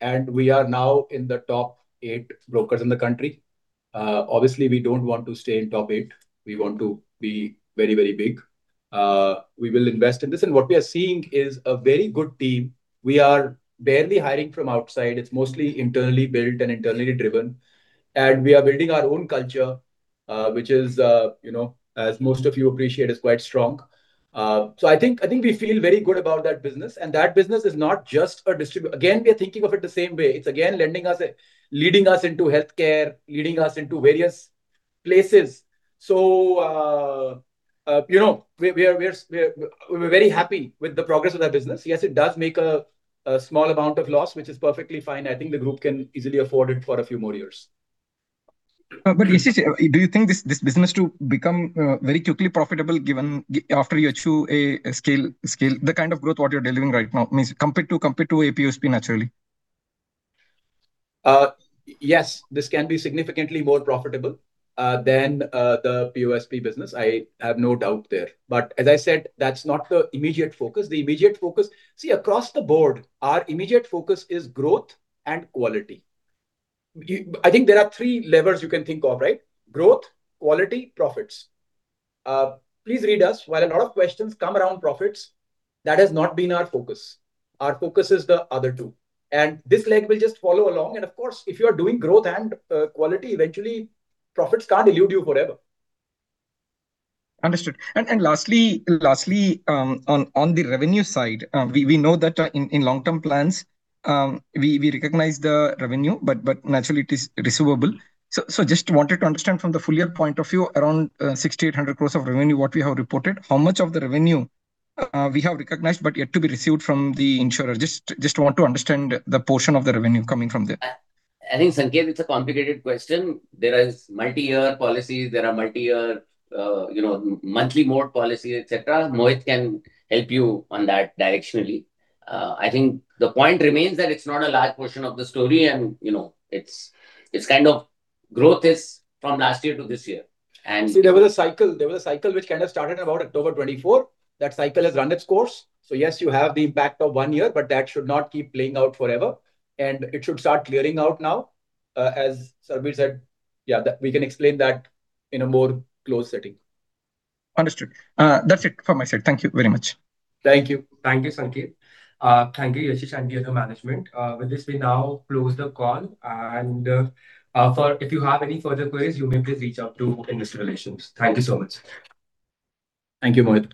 and we are now in the top 8 brokers in the country. Obviously we don't want to stay in top 8. We want to be very, very big. We will invest in this. What we are seeing is a very good team. We are barely hiring from outside. It's mostly internally built and internally driven. We are building our own culture, which is, you know, as most of you appreciate, is quite strong. I think we feel very good about that business. That business is not just a distribu Again, we are thinking of it the same way. It's again lending us leading us into healthcare, leading us into various places. You know, we're very happy with the progress of that business. Yes, it does make a small amount of loss, which is perfectly fine. I think the group can easily afford it for a few more years. Yashish, do you think this business to become very quickly profitable given after you achieve a scale, the kind of growth what you're delivering right now? Compared to POSP, naturally. Yes, this can be significantly more profitable than the POSP business. I have no doubt there. As I said, that's not the immediate focus. The immediate focus. See, across the board, our immediate focus is growth and quality. I think there are three levers you can think of, right? Growth, quality, profits. Please read us. While a lot of questions come around profits, that has not been our focus. Our focus is the other two. This leg will just follow along. Of course, if you are doing growth and quality, eventually profits can't elude you forever. Understood. Lastly, on the revenue side, we know that in long-term plans, we recognize the revenue, but naturally it is receivable. Just wanted to understand from the full year point of view, around 6,800 crore of revenue, what we have reported. How much of the revenue we have recognized but yet to be received from the insurer? Just want to understand the portion of the revenue coming from there. I think, Sanketh, it's a complicated question. There is multi-year policy, there are multi-year, you know, monthly mode policy, et cetera. Mohit can help you on that directionally. I think the point remains that it's not a large portion of the story and, you know, it's kind of growth is from last year to this year. See, there was a cycle, there was a cycle which kind of started about October 2024. That cycle has run its course. Yes, you have the impact of one year, but that should not keep playing out forever. It should start clearing out now. As Sarbvir said, yeah, that we can explain that in a more closed setting. Understood. That's it from my side. Thank you very much. Thank you. Thank you, Sanketh. Thank you, Yashish, and the other management. With this, we now close the call and, if you have any further queries, you may please reach out to Investor Relations. Thank you so much. Thank you, Mohit.